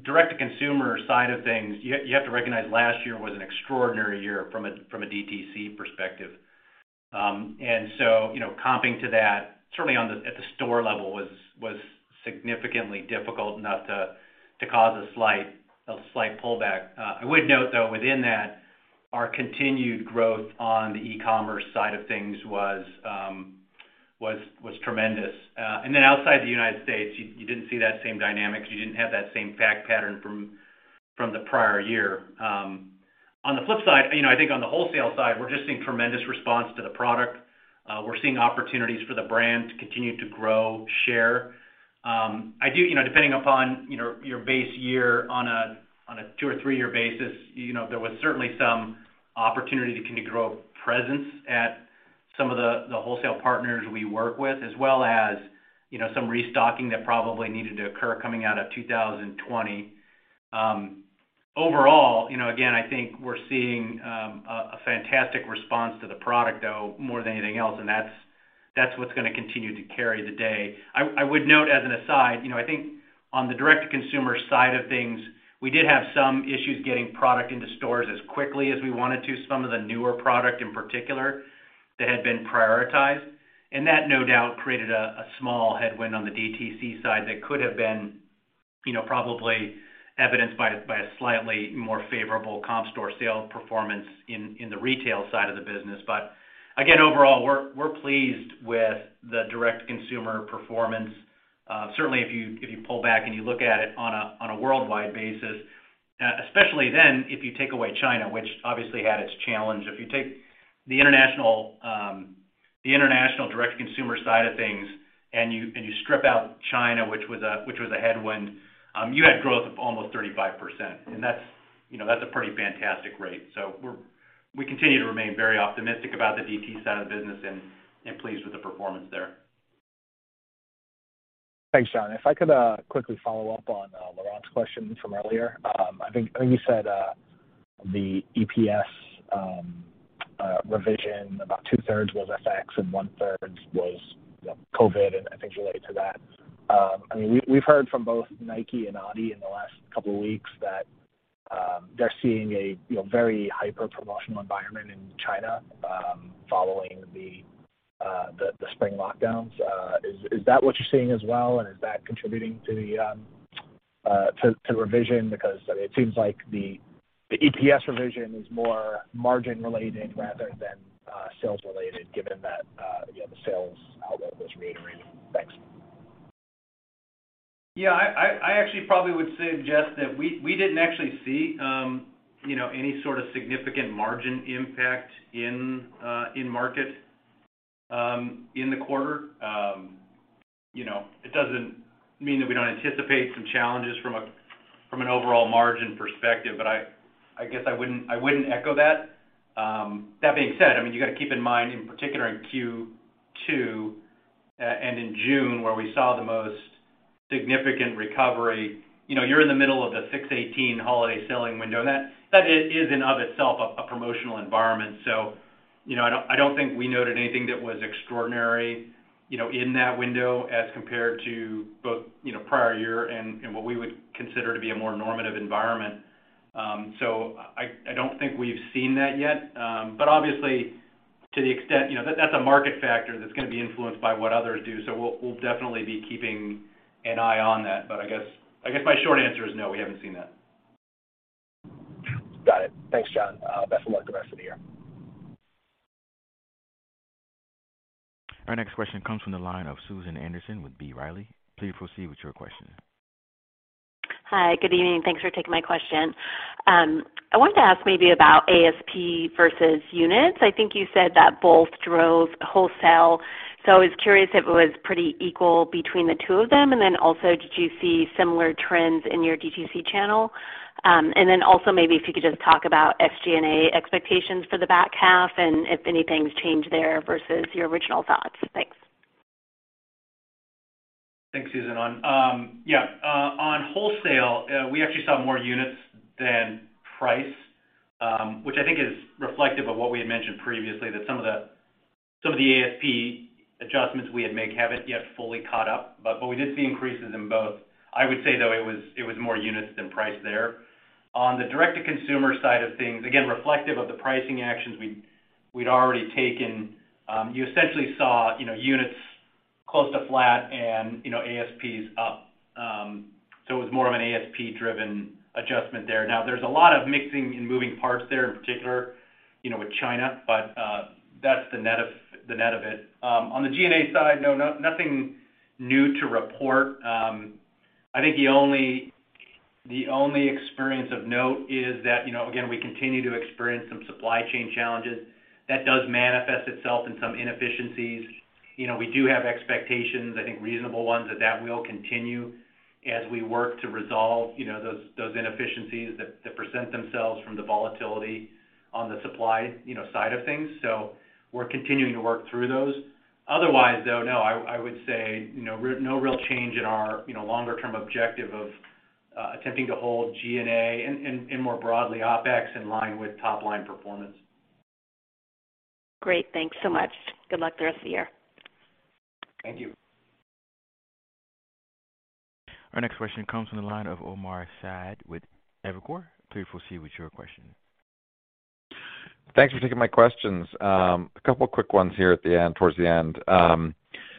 direct-to-consumer side of things, you have to recognize last year was an extraordinary year from a DTC perspective. You know, comping to that, certainly at the store level was significantly difficult enough to cause a slight pullback. I would note, though, within that, our continued growth on the e-commerce side of things was tremendous. Outside the United States, you didn't see that same dynamic 'cause you didn't have that same APAC pattern from the prior year. On the flip side, you know, I think on the wholesale side, we're just seeing tremendous response to the product. We're seeing opportunities for the brand to continue to grow share. I do, you know, depending upon, you know, your base year on a two or three-year basis, you know, there was certainly some opportunity to continue to grow presence at some of the wholesale partners we work with, as well as, you know, some restocking that probably needed to occur coming out of 2020. Overall, you know, again, I think we're seeing a fantastic response to the product, though more than anything else, and that's what's gonna continue to carry the day. I would note as an aside, you know, I think on the direct-to-consumer side of things, we did have some issues getting product into stores as quickly as we wanted to, some of the newer product in particular that had been prioritized. That, no doubt, created a small headwind on the DTC side that could have been, you know, probably evidenced by a slightly more favorable comp store sale performance in the retail side of the business. Again, overall, we're pleased with the direct consumer performance. Certainly if you pull back and you look at it on a worldwide basis, especially then if you take away China, which obviously had its challenge. If you take the international direct consumer side of things and you strip out China, which was a headwind, you had growth of almost 35%. That's, you know, that's a pretty fantastic rate. We continue to remain very optimistic about the DTC side of the business and pleased with the performance there. Thanks, John. If I could quickly follow up on Laurent's question from earlier. I think you said the EPS revision about 2/3 was FX and 1/3 was, you know, COVID, and I think related to that. I mean, we've heard from both Nike and Adidas in the last couple of weeks that they're seeing a, you know, very hyper-promotional environment in China following the spring lockdowns. Is that what you're seeing as well, and is that contributing to the revision? Because it seems like the EPS revision is more margin related rather than sales related, given that, you know, the sales outlook was reiterated. Thanks. Yeah. I actually probably would say just that we didn't actually see, you know, any sort of significant margin impact in market in the quarter. You know, it doesn't mean that we don't anticipate some challenges from an overall margin perspective, but I guess I wouldn't echo that. That being said, I mean, you gotta keep in mind, in particular in Q2 and in June, where we saw the most significant recovery, you know, you're in the middle of the 618 holiday selling window, and that is in and of itself a promotional environment. You know, I don't think we noted anything that was extraordinary, you know, in that window as compared to both, you know, prior year and what we would consider to be a more normative environment. I don't think we've seen that yet. Obviously, to the extent you know, that's a market factor that's gonna be influenced by what others do. We'll definitely be keeping an eye on that. I guess my short answer is no, we haven't seen that. Got it. Thanks, John. Best of luck the rest of the year. Our next question comes from the line of Susan Anderson with B. Riley. Please proceed with your question. Hi. Good evening. Thanks for taking my question. I wanted to ask maybe about ASP versus units. I think you said that both drove wholesale. I was curious if it was pretty equal between the two of them. Did you see similar trends in your DTC channel? Maybe if you could just talk about SG&A expectations for the back half and if anything's changed there versus your original thoughts. Thanks. Thanks, Susan. On wholesale, we actually saw more units than price, which I think is reflective of what we had mentioned previously, that some of the ASP adjustments we had made haven't yet fully caught up. We did see increases in both. I would say, though, it was more units than price there. On the direct-to-consumer side of things, again, reflective of the pricing actions we'd already taken, you essentially saw, you know, units close to flat and, you know, ASPs up. It was more of an ASP-driven adjustment there. Now, there's a lot of many moving parts there, in particular, you know, with China, but that's the net of it. On the G&A side, nothing new to report. I think the only experience of note is that, you know, again, we continue to experience some supply chain challenges. That does manifest itself in some inefficiencies. You know, we do have expectations, I think reasonable ones, that that will continue as we work to resolve, you know, those inefficiencies that present themselves from the volatility on the supply, you know, side of things. We're continuing to work through those. Otherwise, though, no, I would say, you know, no real change in our, you know, longer term objective of attempting to hold G&A and more broadly OpEx in line with top line performance. Great. Thanks so much. Good luck the rest of the year. Thank you. Our next question comes from the line of Omar Saad with Evercore. Please proceed with your question. Thanks for taking my questions. A couple of quick ones here at the end, towards the end.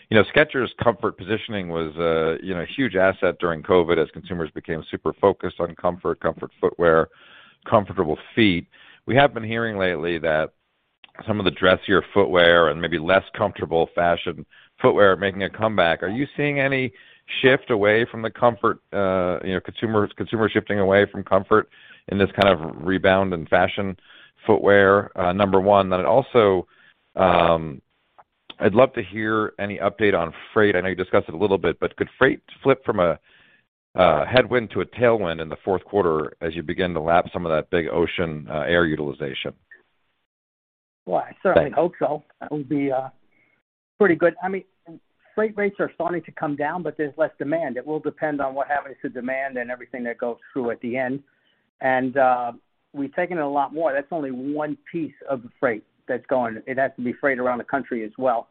You know, Skechers comfort positioning was a huge asset during COVID as consumers became super focused on comfort footwear, comfortable feet. We have been hearing lately that some of the dressier footwear and maybe less comfortable fashion footwear are making a comeback. Are you seeing any shift away from the comfort, you know, consumers shifting away from comfort in this kind of rebound in fashion footwear? Number one. Then also, I'd love to hear any update on freight. I know you discussed it a little bit, but could freight flip from a headwind to a tailwind in the fourth quarter as you begin to lap some of that big ocean air utilization? Well, I certainly hope so. That would be pretty good. I mean, freight rates are starting to come down, but there's less demand. It will depend on what happens to demand and everything that goes through at the end. We've taken it a lot more. That's only one piece of the freight that's going. It has to be freight around the country as well.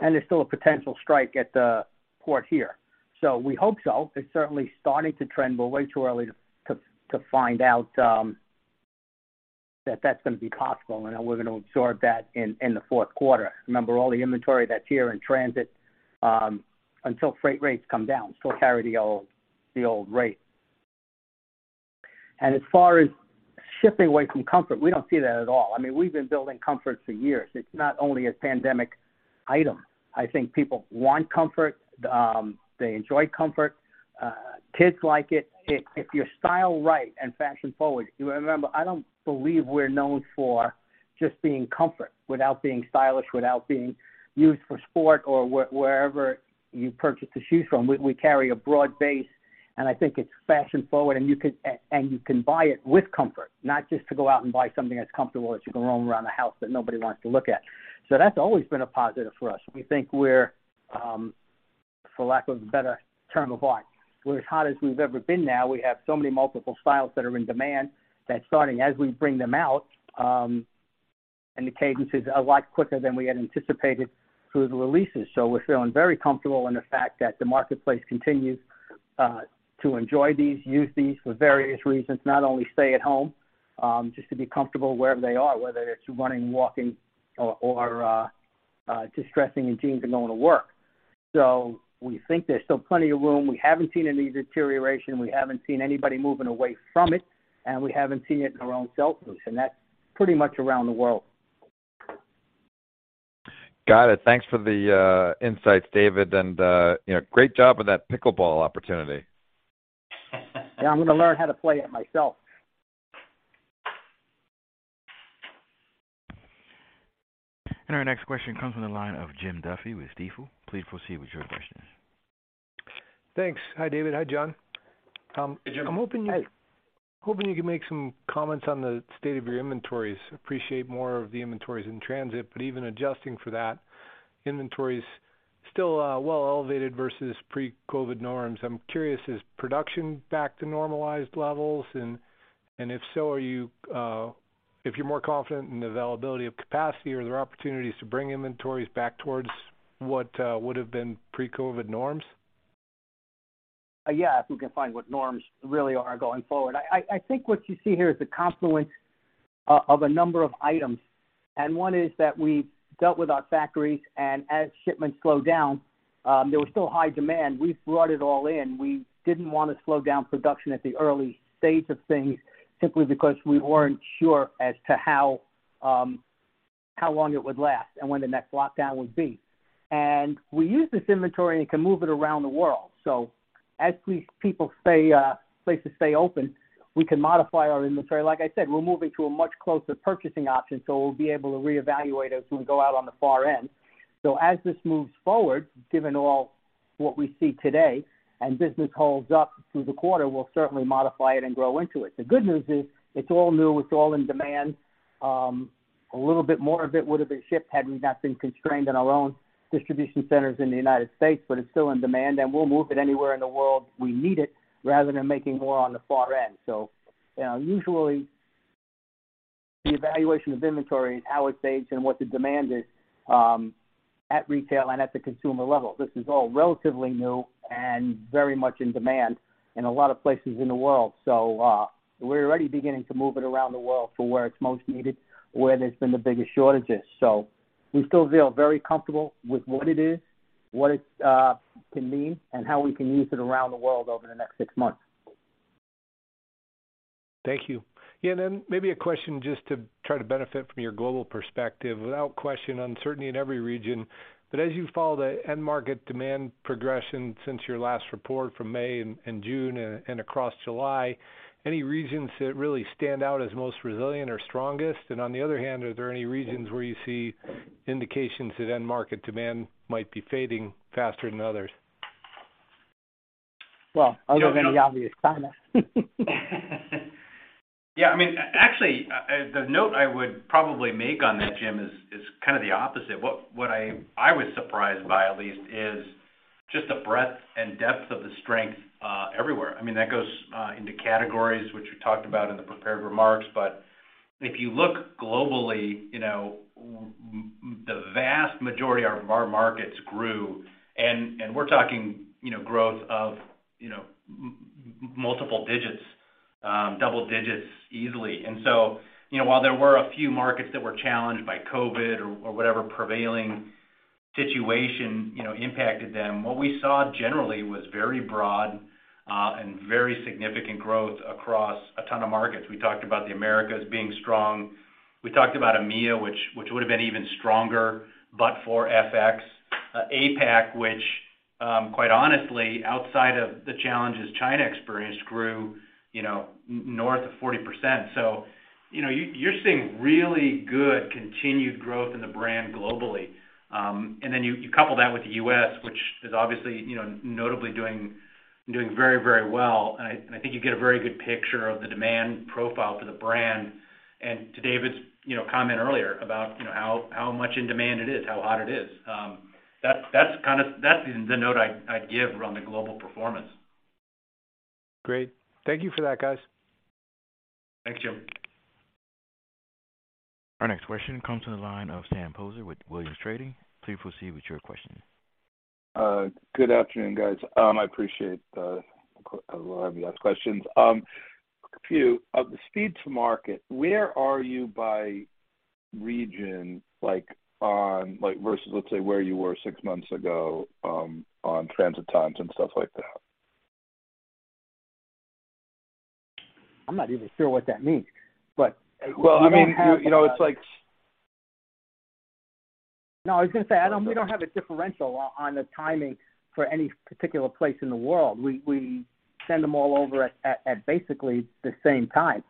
There's still a potential strike at the port here. We hope so. It's certainly starting to trend, but way too early to find out that that's going to be possible, and we're going to absorb that in the fourth quarter. Remember, all the inventory that's here in transit until freight rates come down still carry the old rate. As far as shifting away from comfort, we don't see that at all. I mean, we've been building comfort for years. It's not only a pandemic item. I think people want comfort. They enjoy comfort. Kids like it. If you're stylish and fashion forward, you remember, I don't believe we're known for just being comfort without being stylish, without being used for sport or wherever you purchase the shoes from. We carry a broad base, and I think it's fashion forward. You can buy it with comfort, not just to go out and buy something that's comfortable that you can roam around the house but nobody wants to look at. That's always been a positive for us. We think we're, for lack of a better term, a hot. We're as hot as we've ever been now. We have so many multiple styles that are in demand that starting as we bring them out, and the cadence is a lot quicker than we had anticipated through the releases. We're feeling very comfortable in the fact that the marketplace continues to enjoy these, use these for various reasons, not only stay at home, just to be comfortable wherever they are, whether it's running, walking or just dressing in jeans and going to work. We think there's still plenty of room. We haven't seen any deterioration. We haven't seen anybody moving away from it, and we haven't seen it in our own sell-through. That's pretty much around the world. Got it. Thanks for the insights, David. You know, great job with that pickleball opportunity. Yeah, I'm going to learn how to play it myself. Our next question comes from the line of Jim Duffy with Stifel. Please proceed with your question. Thanks. Hi, David. Hi, John. Hey, Jim. I'm hoping you- Hi. I'm hoping you can make some comments on the state of your inventories. Appreciate more of the inventories in transit, but even adjusting for that, inventory is still elevated versus pre-COVID norms. I'm curious, is production back to normalized levels? If so, are you, if you're more confident in the availability of capacity, are there opportunities to bring inventories back towards what would have been pre-COVID norms? Yeah, if we can find what norms really are going forward. I think what you see here is a confluence of a number of items. One is that we dealt with our factories, and as shipments slowed down, there was still high demand. We brought it all in. We didn't want to slow down production at the early stage of things simply because we weren't sure as to how long it would last and when the next lockdown would be. We used this inventory and can move it around the world. As people stay, places stay open, we can modify our inventory. Like I said, we're moving to a much closer purchasing option, so we'll be able to reevaluate as we go out on the far end. As this moves forward, given all we see today, and business holds up through the quarter, we'll certainly modify it and grow into it. The good news is it's all new, it's all in demand. A little bit more of it would have been shipped had we not been constrained in our own distribution centers in the United States, but it's still in demand, and we'll move it anywhere in the world we need it rather than making more on the far end. You know, usually the evaluation of inventory is how it's aged and what the demand is at retail and at the consumer level. This is all relatively new and very much in demand in a lot of places in the world. We're already beginning to move it around the world for where it's most needed, where there's been the biggest shortages. We still feel very comfortable with what it is, what it can mean, and how we can use it around the world over the next six months. Thank you. Yeah. Maybe a question just to try to benefit from your global perspective. Without question, uncertainty in every region, but as you follow the end market demand progression since your last report from May and June and across July, any regions that really stand out as most resilient or strongest? On the other hand, are there any regions where you see indications that end market demand might be fading faster than others? Well, other than the obvious, China. I mean, actually, the note I would probably make on that, Jim, is kind of the opposite. What I was surprised by at least is just the breadth and depth of the strength everywhere. I mean, that goes into categories, which we talked about in the prepared remarks. If you look globally, you know, with the vast majority of our markets grew, and we're talking, you know, growth of, you know, multiple digits, double digits easily. You know, while there were a few markets that were challenged by COVID or whatever prevailing situation, you know, impacted them, what we saw generally was very broad and very significant growth across a ton of markets. We talked about the Americas being strong. We talked about EMEA, which would have been even stronger, but for FX. APAC, which, quite honestly outside of the challenges China experienced grew, you know, north of 40%. You know, you're seeing really good continued growth in the brand globally. Then you couple that with the U.S., which is obviously, you know, notably doing very, very well, and I think you get a very good picture of the demand profile for the brand. To David's comment earlier about, you know, how much in demand it is, how hot it is, that's kind of the note I'd give around the global performance. Great. Thank you for that, guys. Thanks, Jim. Our next question comes to the line of Sam Poser with Williams Trading. Please proceed with your question. Good afternoon, guys. We're allowed to ask questions. A few. On the speed to market, where are you by region, like, versus, let's say, where you were six months ago, on transit times and stuff like that? I'm not even sure what that means. Well, I mean, you know, it's like. No, I was gonna say, we don't have a differential on the timing for any particular place in the world. We send them all over at basically the same time.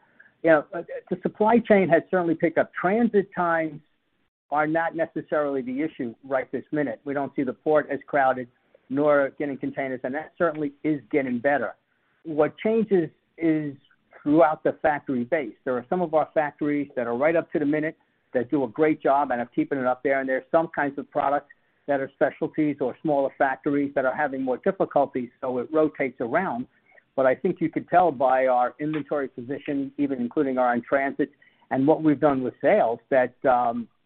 You know, the supply chain has certainly picked up. Transit times are not necessarily the issue right this minute. We don't see the port as crowded nor getting containers, and that certainly is getting better. What changes is throughout the factory base. There are some of our factories that are right up to the minute that do a great job and are keeping it up there, and there are some kinds of products that are specialties or smaller factories that are having more difficulty, so it rotates around. I think you could tell by our inventory position, even including our in-transit and what we've done with sales, that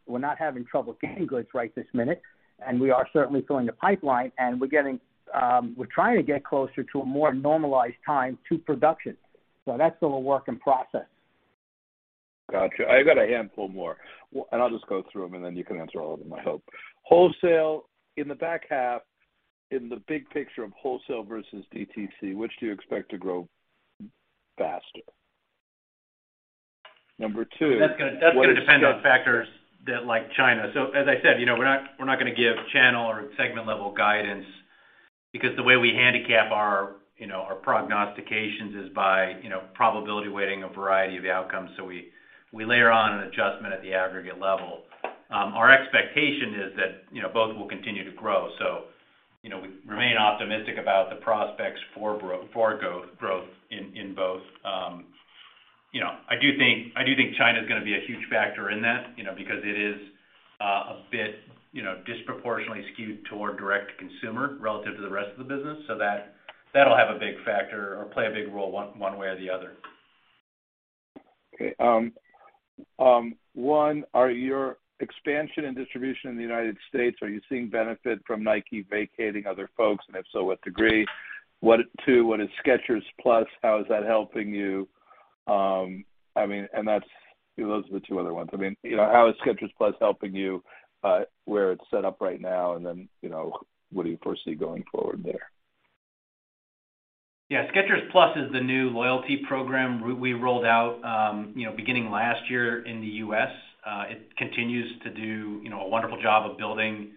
we're not having trouble getting goods right this minute, and we are certainly filling the pipeline, and we're getting, we're trying to get closer to a more normalized time to production. That's still a work in process. Gotcha. I got a handful more, and I'll just go through them, and then you can answer all of them, I hope. Wholesale in the back half, in the big picture of wholesale versus DTC, which do you expect to grow faster? Number two, what is- That's gonna depend on factors like China. As I said, you know, we're not gonna give channel or segment level guidance because the way we handicap our prognostications is by, you know, probability weighting a variety of outcomes. We layer on an adjustment at the aggregate level. Our expectation is that, you know, both will continue to grow. You know, we remain optimistic about the prospects for growth in both. You know, I do think China is gonna be a huge factor in that, you know, because it is a bit, you know, disproportionately skewed toward direct-to-consumer relative to the rest of the business. That'll have a big factor or play a big role one way or the other. Okay. One, are your expansion and distribution in the United States, are you seeing benefit from Nike vacating other folks? And if so, what degree? Two, what is Skechers Plus? How is that helping you? I mean, those are the two other ones. I mean, you know, how is Skechers Plus helping you, where it's set up right now? And then, you know, what do you foresee going forward there? Yeah. Skechers Plus is the new loyalty program we rolled out, you know, beginning last year in the U.S. It continues to do, you know, a wonderful job of building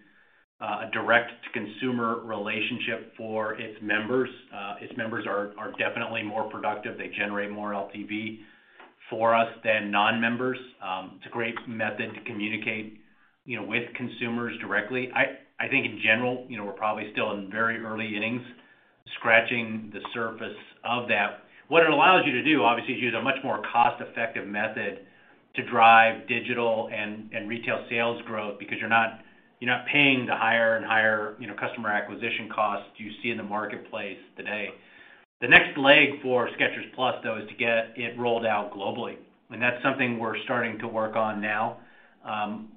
a direct-to-consumer relationship for its members. Its members are definitely more productive. They generate more LTV for us than non-members. It's a great method to communicate, you know, with consumers directly. I think in general, you know, we're probably still in very early innings scratching the surface of that. What it allows you to do, obviously, is use a much more cost-effective method to drive digital and retail sales growth because you're not paying the higher and higher, you know, customer acquisition costs you see in the marketplace today. The next leg for Skechers Plus, though, is to get it rolled out globally, and that's something we're starting to work on now.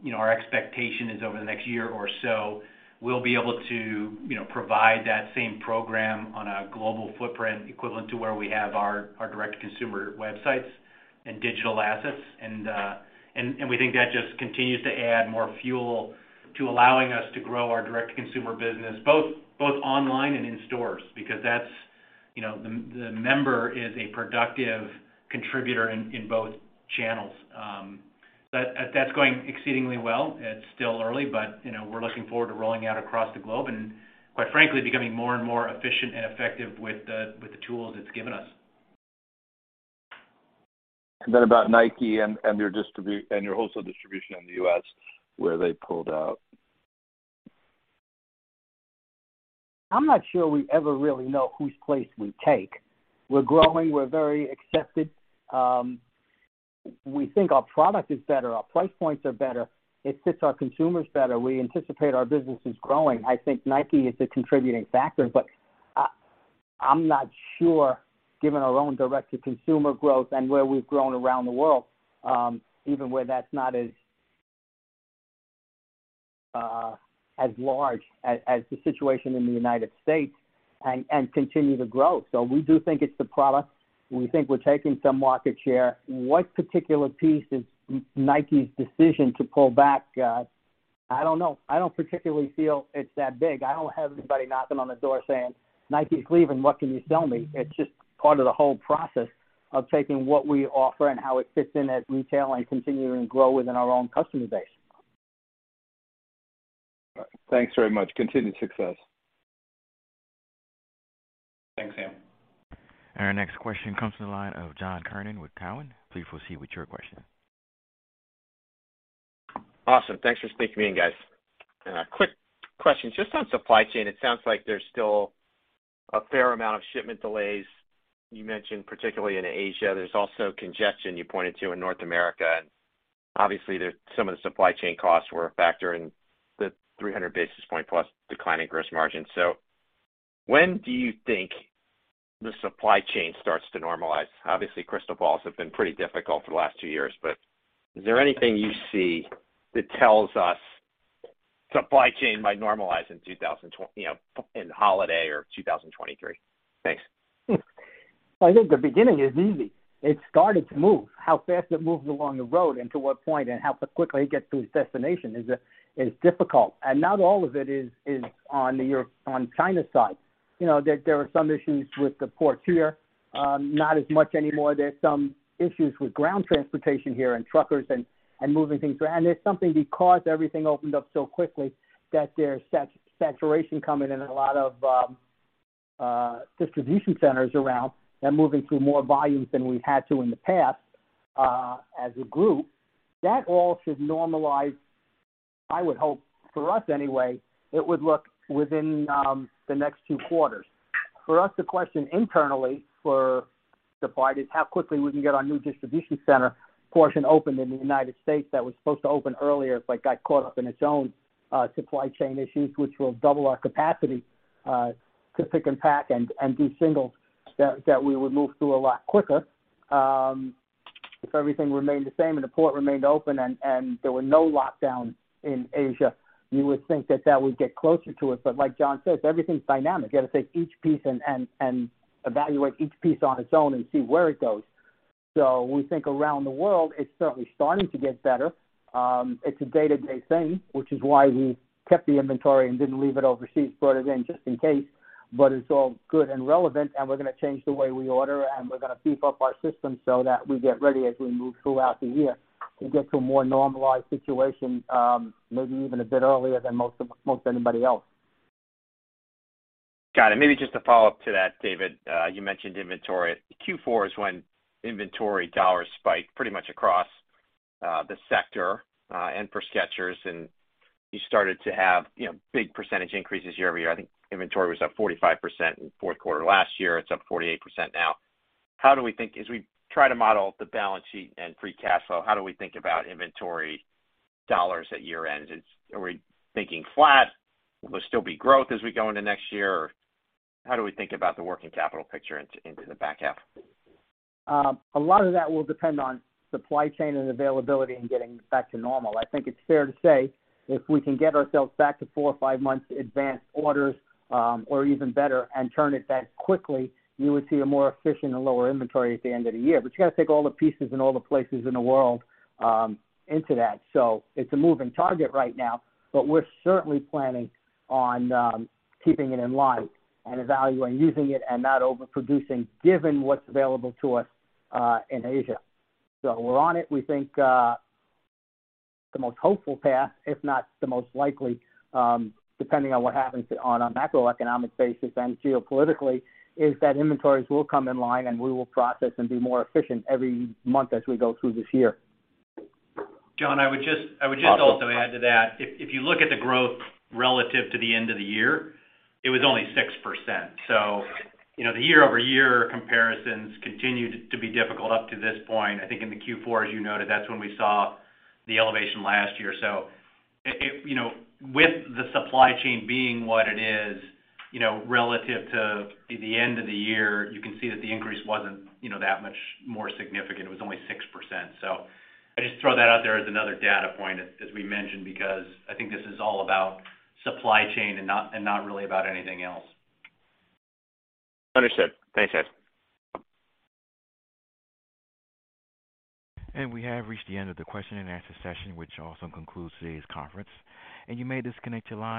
You know, our expectation is over the next year or so, we'll be able to, you know, provide that same program on a global footprint equivalent to where we have our direct-to-consumer websites and digital assets. We think that just continues to add more fuel to allowing us to grow our direct consumer business both online and in stores because that's, you know, the member is a productive contributor in both channels. That's going exceedingly well. It's still early, you know, we're looking forward to rolling out across the globe and, quite frankly, becoming more and more efficient and effective with the tools it's given us. About Nike and your wholesale distribution in the U.S. where they pulled out. I'm not sure we ever really know whose place we take. We're growing. We're very accepted. We think our product is better, our price points are better. It fits our consumers better. We anticipate our business is growing. I think Nike is a contributing factor, but I'm not sure, given our own direct-to-consumer growth and where we've grown around the world, even where that's not as large as the situation in the United States and continue to grow. We do think it's the product. We think we're taking some market share. What particular piece is Nike's decision to pull back? I don't know. I don't particularly feel it's that big. I don't have anybody knocking on the door saying, "Nike is leaving. What can you sell me?" It's just part of the whole process of taking what we offer and how it fits in at retail and continuing to grow within our own customer base. All right. Thanks very much. Continued success. Thanks, Sam. Our next question comes from the line of John Kernan with Cowen. Please proceed with your question. Awesome. Thanks for sneaking me in, guys. Quick question. Just on supply chain, it sounds like there's still a fair amount of shipment delays. You mentioned particularly in Asia. There's also congestion you pointed to in North America. Obviously some of the supply chain costs were a factor in the 300 basis points plus decline in gross margin. When do you think the supply chain starts to normalize? Obviously, crystal balls have been pretty difficult for the last two years, but is there anything you see that tells us supply chain might normalize in 2022, you know, in holiday or 2023? Thanks. I think the beginning is easy. It started to move. How fast it moves along the road and to what point and how quickly it gets to its destination is difficult. Not all of it is on China's side. You know, there are some issues with the ports here. Not as much anymore. There's some issues with ground transportation here and truckers and moving things around. There's something because everything opened up so quickly that there's saturation coming in a lot of distribution centers around and moving through more volumes than we had to in the past as a group. That all should normalize. I would hope for us anyway, it would look within the next two quarters. For us, the question internally for the part is how quickly we can get our new distribution center portion opened in the United States that was supposed to open earlier, but got caught up in its own supply chain issues, which will double our capacity to pick and pack and do singles that we would move through a lot quicker. If everything remained the same and the port remained open and there were no lockdowns in Asia, you would think that that would get closer to us. But like John says, everything's dynamic. You have to take each piece and evaluate each piece on its own and see where it goes. We think around the world, it's certainly starting to get better. It's a day-to-day thing, which is why we kept the inventory and didn't leave it overseas, brought it in just in case. It's all good and relevant, and we're gonna change the way we order, and we're gonna beef up our system so that we get ready as we move throughout the year to get to a more normalized situation, maybe even a bit earlier than most anybody else. Got it. Maybe just a follow-up to that, David. You mentioned inventory. Q4 is when inventory dollars spike pretty much across the sector, and for Skechers, and you started to have, you know, big percentage increases year-over-year. I think inventory was up 45% in fourth quarter last year. It's up 48% now. How do we think as we try to model the balance sheet and free cash flow, how do we think about inventory dollars at year-end? Are we thinking flat? Will there still be growth as we go into next year? How do we think about the working capital picture into the back half? A lot of that will depend on supply chain and availability and getting back to normal. I think it's fair to say if we can get ourselves back to four or five months advanced orders, or even better, and turn it that quickly, you would see a more efficient and lower inventory at the end of the year. You got to take all the pieces and all the places in the world, into that. It's a moving target right now, but we're certainly planning on keeping it in line and evaluating using it and not overproducing, given what's available to us, in Asia. We're on it. We think, the most hopeful path, if not the most likely, depending on what happens on a macroeconomic basis and geopolitically, is that inventories will come in line and we will process and be more efficient every month as we go through this year. John, I would just also add to that, if you look at the growth relative to the end of the year, it was only 6%. You know, the year-over-year comparisons continued to be difficult up to this point. I think in the Q4, as you noted, that's when we saw the elevation last year. You know, with the supply chain being what it is, relative to the end of the year, you can see that the increase wasn't that much more significant. It was only 6%. I just throw that out there as another data point as we mentioned, because I think this is all about supply chain and not really about anything else. Understood. Thanks, guys. We have reached the end of the question and answer session, which also concludes today's conference, and you may disconnect your lines.